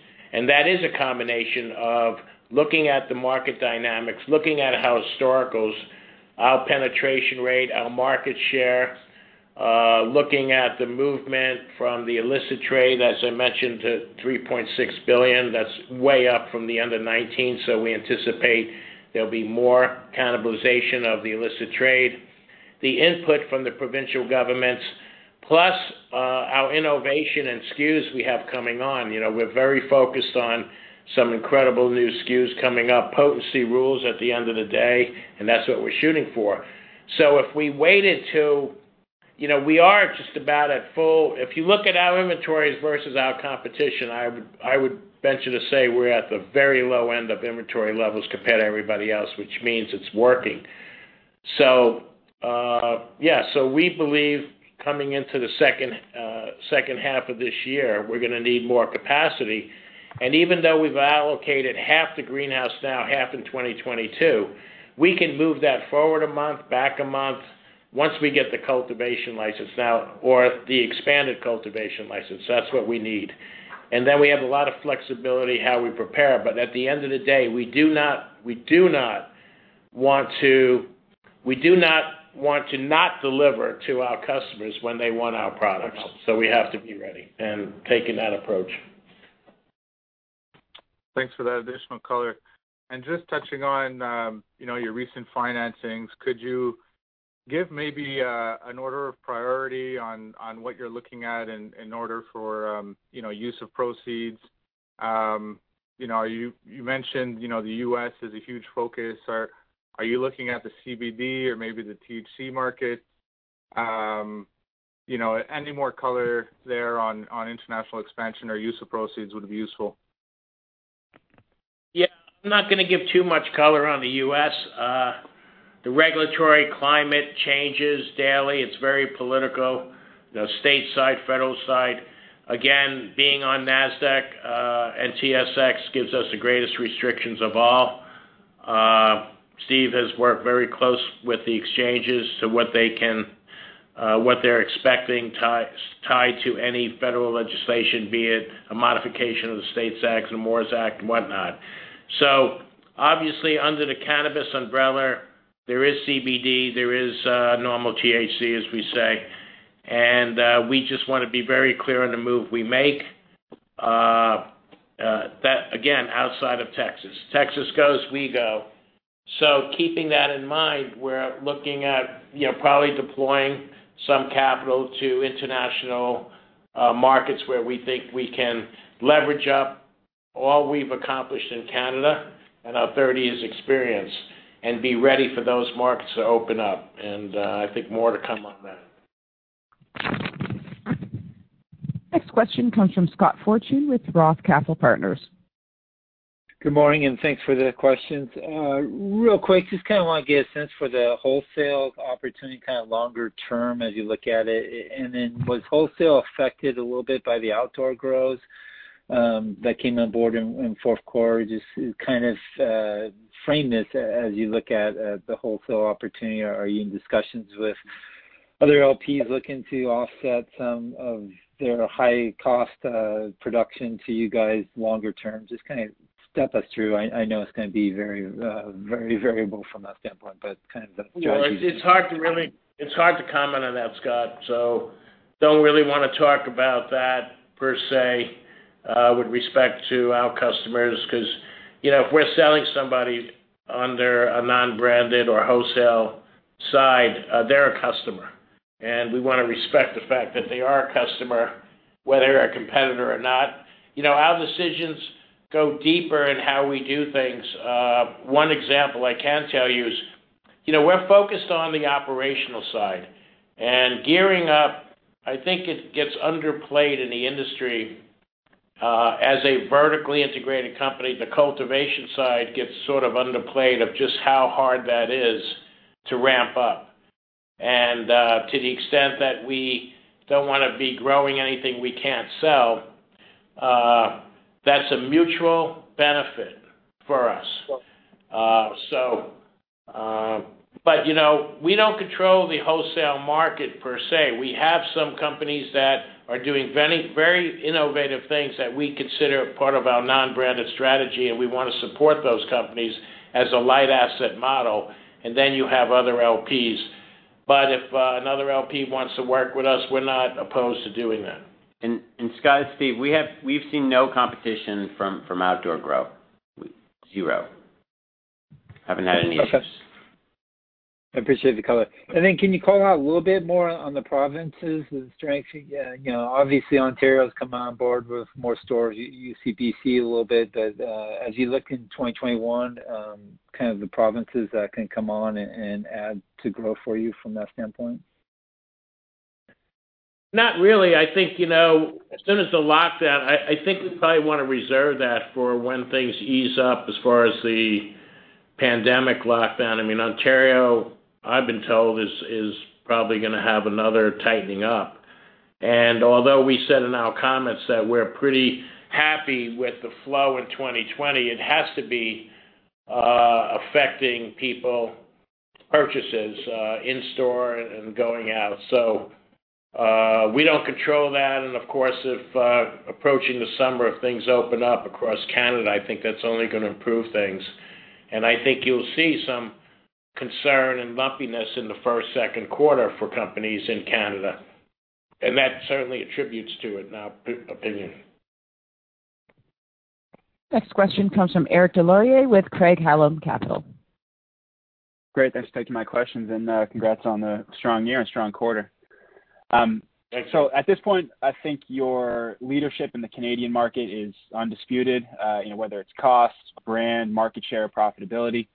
That is a combination of looking at the market dynamics, looking at how historicals, our penetration rate, our market share, looking at the movement from the illicit trade, as I mentioned, to $3.6 billion. That is way up from the end of 2019, so we anticipate there'll be more cannibalization of the illicit trade. The input from the provincial governments, plus our innovation and SKUs we have coming on. You know, we're very focused on some incredible new SKUs coming up. Potency rules at the end of the day. That's what we're shooting for. If you look at our inventories versus our competition, I would venture to say we're at the very low end of inventory levels compared to everybody else, which means it's working. Yeah. We believe coming into the second half of this year, we're gonna need more capacity. Even though we've allocated half the greenhouse now, half in 2022, we can move that forward a month, back a month, once we get the cultivation license out or the expanded cultivation license. That's what we need. Then we have a lot of flexibility how we prepare. At the end of the day, we do not want to not deliver to our customers when they want our products. We have to be ready in taking that approach. Thanks for that additional color. Just touching on, you know, your recent financings, could you give maybe an order of priority on what you're looking at in order for, you know, use of proceeds? You know, you mentioned, you know, the U.S. is a huge focus. Are, are you looking at the CBD or maybe the THC market? You know, any more color there on international expansion or use of proceeds would be useful. Yeah. I'm not gonna give too much color on the U.S. The regulatory climate changes daily. It's very political, you know, state side, federal side. Again, being on Nasdaq, TSX gives us the greatest restrictions of all. Steve has worked very close with the exchanges to what they can, what they're expecting tied to any federal legislation, be it a modification of the STATES Act, the MORE Act and whatnot. Obviously under the cannabis umbrella, there is CBD, there is normal THC, as we say, we just wanna be very clear on the move we make. That again, outside of Texas. Texas goes, we go. Keeping that in mind, we're looking at, you know, probably deploying some capital to international markets where we think we can leverage up all we've accomplished in Canada and our 30 years' experience and be ready for those markets to open up. I think more to come on that. Next question comes from Scott Fortune with Roth Capital Partners. Good morning. Thanks for the questions. Real quick, just kinda wanna get a sense for the wholesale opportunity kinda longer term as you look at it. And then was wholesale affected a little bit by the outdoor grows that came on board in Q4? Just kind of frame this as you look at the wholesale opportunity. Are you in discussions with other LPs looking to offset some of their high cost production to you guys longer term? Just kinda step us through. I know it's gonna be very variable from that standpoint, kind of the strategy. It's hard to comment on that, Scott. Don't really wanna talk about that per se with respect to our customers. Because, you know, if we're selling somebody under a non-branded or wholesale side, they're a customer, and we wanna respect the fact that they are a customer, whether a competitor or not. You know, our decisions go deeper in how we do things. One example I can tell you is, you know, we're focused on the operational side. Gearing up, I think it gets underplayed in the industry as a vertically integrated company. The cultivation side gets sort of underplayed of just how hard that is to ramp up. To the extent that we don't wanna be growing anything we can't sell, that's a mutual benefit for us. You know, we don't control the wholesale market per se. We have some companies that are doing very innovative things that we consider part of our non-branded strategy, and we wanna support those companies as a light asset model, and then you have other LPs. If another LP wants to work with us, we're not opposed to doing that. Scott, it's Stephen. We've seen no competition from outdoor grow. Zero. Haven't had any issues. Okay. I appreciate the color. Can you call out a little bit more on the provinces and the strength? You know, obviously Ontario's come on board with more stores. You see BC a little bit, but as you look in 2021, kind of the provinces that can come on and add to growth for you from that standpoint? Not really. I think, you know, as soon as the lockdown, I think we probably wanna reserve that for when things ease up as far as the pandemic lockdown. I mean Ontario, I've been told, is probably gonna have another tightening up. Although we said in our comments that we're pretty happy with the flow in 2020, it has to be affecting people purchases in store and going out. We don't control that and of course if, approaching the summer, if things open up across Canada, I think that's only gonna improve things. I think you'll see some concern and bumpiness in the first, Q2 for companies in Canada. That certainly attributes to it in our opinion. Next question comes from Eric Des Lauriers with Craig-Hallum Capital. Great. Thanks for taking my questions and congrats on the strong year and strong quarter. Thanks, Eric. At this point, I think your leadership in the Canadian market is undisputed, you know, whether it's cost, brand, market share, profitability.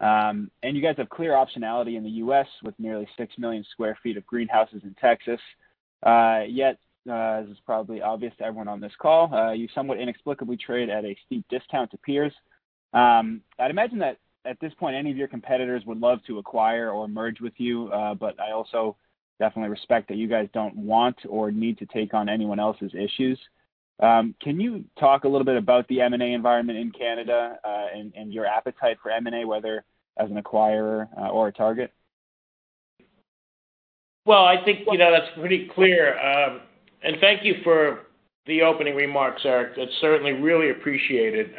You guys have clear optionality in the U.S. with nearly six million square feet of greenhouses in Texas. Yet, this is probably obvious to everyone on this call, you somewhat inexplicably trade at a steep discount to peers. I'd imagine that at this point, any of your competitors would love to acquire or merge with you, but I also definitely respect that you guys don't want or need to take on anyone else's issues. Can you talk a little bit about the M&A environment in Canada, and your appetite for M&A, whether as an acquirer or a target? Well, I think, you know, that's pretty clear. Thank you for the opening remarks, Eric. That's certainly really appreciated,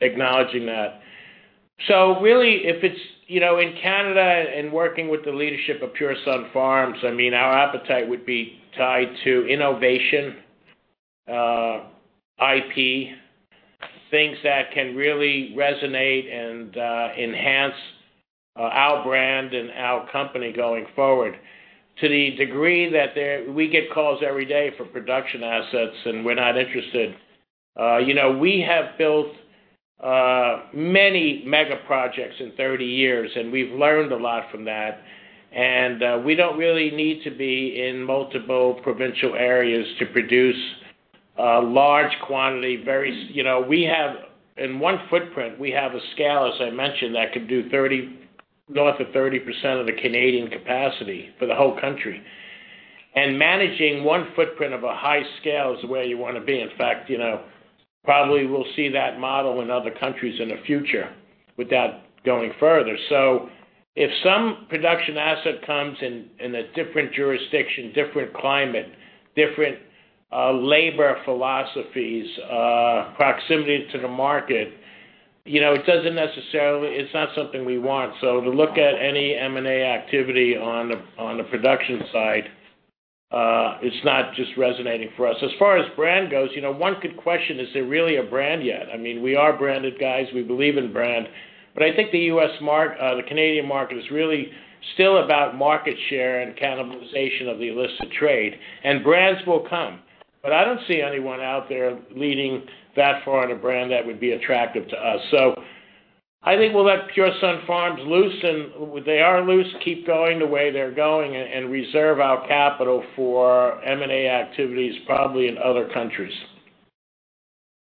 acknowledging that. Really, if it's you know, in Canada and working with the leadership of Pure Sunfarms, I mean, our appetite would be tied to innovation, IP, things that can really resonate and enhance our brand and our company going forward. To the degree that we get calls every day for production assets, we're not interested. You know, we have built many mega projects in 30 years, we've learned a lot from that. We don't really need to be in multiple provincial areas to produce a large quantity, you know, in one footprint, we have a scale, as I mentioned, that could do 30%, north of 30% of the Canadian capacity for the whole country. Managing one footprint of a high scale is where you wanna be. In fact, you know, probably we'll see that model in other countries in the future without going further. If some production asset comes in a different jurisdiction, different climate, different labor philosophies, proximity to the market, you know, it doesn't necessarily. It's not something we want. To look at any M&A activity on the production side, it's not just resonating for us. As far as brand goes, you know, one could question, is there really a brand yet? I mean, we are branded guys, we believe in brand. I think the Canadian market is really still about market share and cannibalization of the illicit trade. Brands will come. I don't see anyone out there leading that far on a brand that would be attractive to us. I think we'll let Pure Sunfarms loose and they are loose, keep going the way they're going and reserve our capital for M&A activities probably in other countries.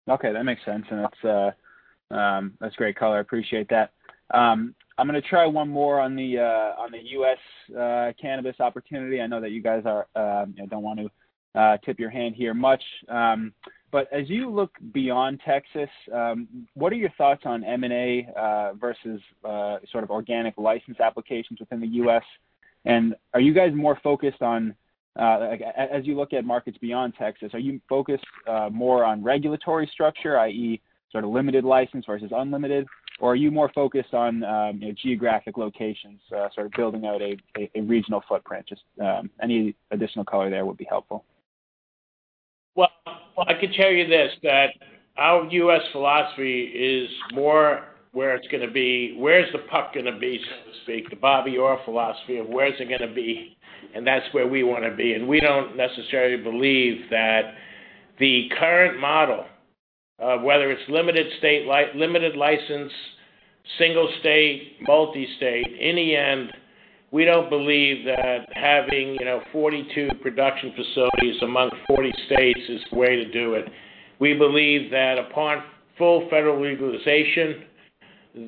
Okay, that makes sense. That's great color. I appreciate that. I'm gonna try one more on the U.S. cannabis opportunity. I know that you guys are, you know, don't want to tip your hand here much. As you look beyond Texas, what are your thoughts on M&A versus sort of organic license applications within the U.S.? Are you guys more focused on like as you look at markets beyond Texas, are you focused more on regulatory structure, i.e., sort of limited license versus unlimited? Are you more focused on, you know, geographic locations, sort of building out a regional footprint? Just any additional color there would be helpful. Well, I could tell you this, that our U.S. philosophy is more where it's gonna be, where's the puck gonna be, so to speak, the Wayne Gretzky philosophy of where's it gonna be, and that's where we wanna be. We don't necessarily believe that the current model of whether it's limited state limited license, single state, multi-state, in the end, we don't believe that having, you know, 42 production facilities among 40 states is the way to do it. We believe that upon full federal legalization,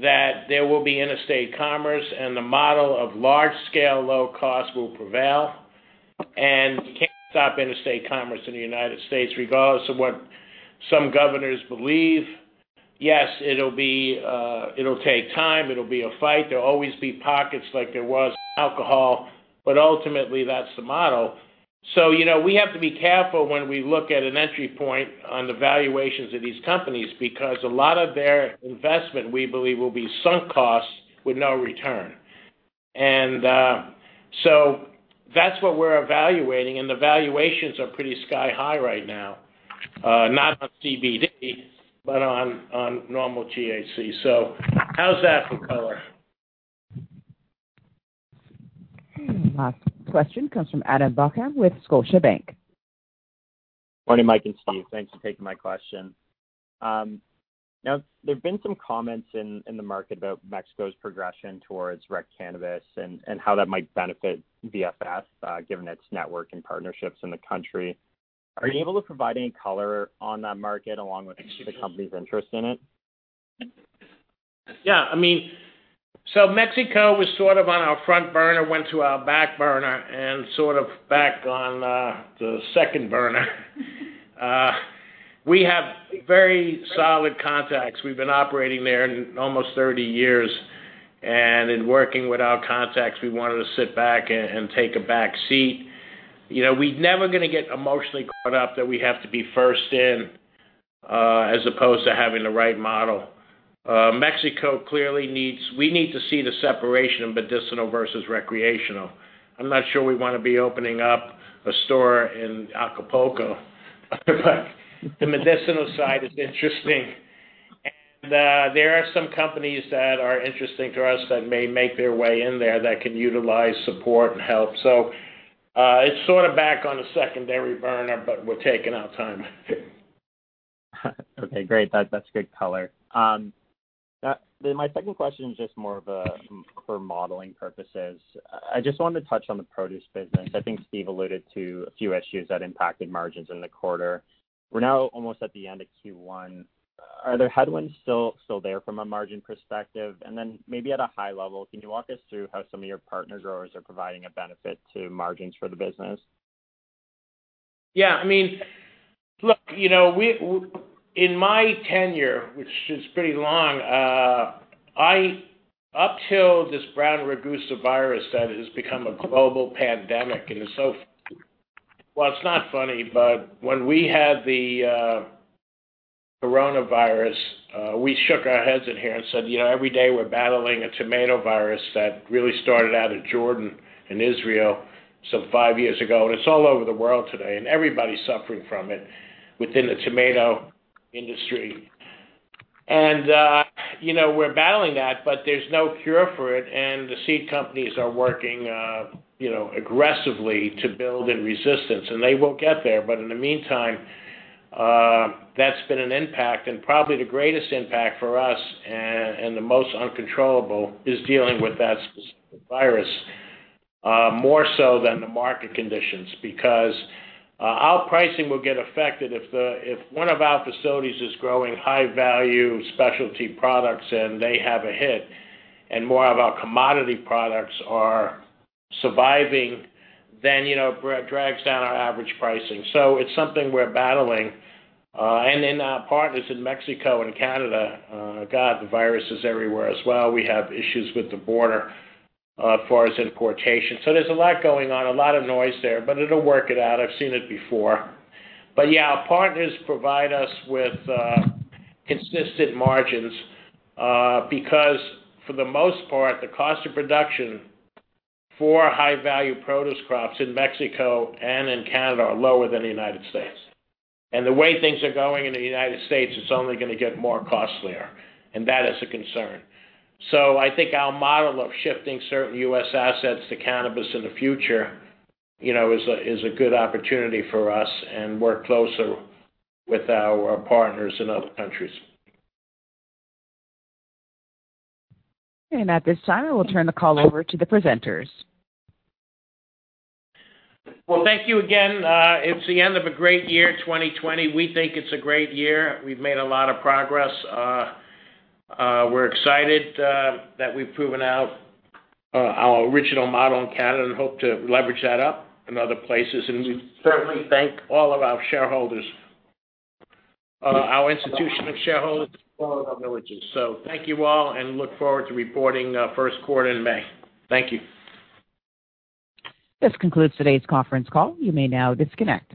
that there will be interstate commerce and the model of large scale, low cost will prevail, and you can't stop interstate commerce in the United States regardless of what some governors believe. Yes, it'll be, it'll take time. It'll be a fight. There'll always be pockets like there was alcohol, but ultimately, that's the model. You know, we have to be careful when we look at an entry point on the valuations of these companies because a lot of their investment, we believe, will be sunk costs with no return. That's what we're evaluating, and the valuations are pretty sky high right now, not on CBD, but on normal THC. How's that for color? Last question comes from Adam Buckham with Scotiabank. Morning, Mike and Steve. Thanks for taking my question. There've been some comments in the market about Mexico's progression towards rec cannabis and how that might benefit VFF given its network and partnerships in the country. Are you able to provide any color on that market along with the company's interest in it? I mean Mexico was sort of on our front burner, went to our back burner, and sort of back on the second burner. We have very solid contacts. We've been operating there in almost 30 years, and in working with our contacts, we wanted to sit back and take a back seat. You know, we're never gonna get emotionally caught up that we have to be first in, as opposed to having the right model. We need to see the separation of medicinal versus recreational. I'm not sure we wanna be opening up a store in Acapulco, the medicinal side is interesting. There are some companies that are interesting to us that may make their way in there that can utilize support and help. It's sort of back on a secondary burner, but we're taking our time. Okay, great. That's great color. My second question is just more for modeling purposes. I just wanted to touch on the produce business. I think Steve alluded to a few issues that impacted margins in the quarter. We're now almost at the end of Q1. Are there headwinds still there from a margin perspective? Maybe at a high level, can you walk us through how some of your partner growers are providing a benefit to margins for the business? Yeah, I mean, look, you know, we In my tenure, which is pretty long, I Up till this brown rugose virus that has become a global pandemic and is so Well, it's not funny, but when we had the coronavirus, we shook our heads in here and said, "You know, every day we're battling a tomato virus that really started out in Jordan and Israel some 5 years ago," and it's all over the world today, and everybody's suffering from it within the tomato industry. You know, we're battling that, but there's no cure for it, and the seed companies are working, you know, aggressively to build in resistance, and they will get there. In the meantime, that's been an impact, and probably the greatest impact for us and the most uncontrollable is dealing with that specific virus, more so than the market conditions. Our pricing will get affected if one of our facilities is growing high-value specialty products and they have a hit, and more of our commodity products are surviving, then, you know, it drags down our average pricing. It's something we're battling. In our partners in Mexico and Canada, God, the virus is everywhere as well. We have issues with the border, as far as importation. There's a lot going on, a lot of noise there, but it'll work it out. I've seen it before. Yeah, our partners provide us with consistent margins, because for the most part, the cost of production for high-value produce crops in Mexico and in Canada are lower than the United States. The way things are going in the United States, it's only gonna get more costlier, and that is a concern. I think our model of shifting certain U.S. assets to cannabis in the future, you know, is a good opportunity for us and work closer with our partners in other countries. At this time, we will turn the call over to the presenters. Thank you again. It's the end of a great year, 2020. We think it's a great year. We've made a lot of progress. We're excited that we've proven out our original model in Canada and hope to leverage that up in other places. We certainly thank all of our shareholders, our institutional shareholders, all of our villagers. Thank you all, and look forward to reporting first quarter in May. Thank you. This concludes today's conference call. You may now disconnect.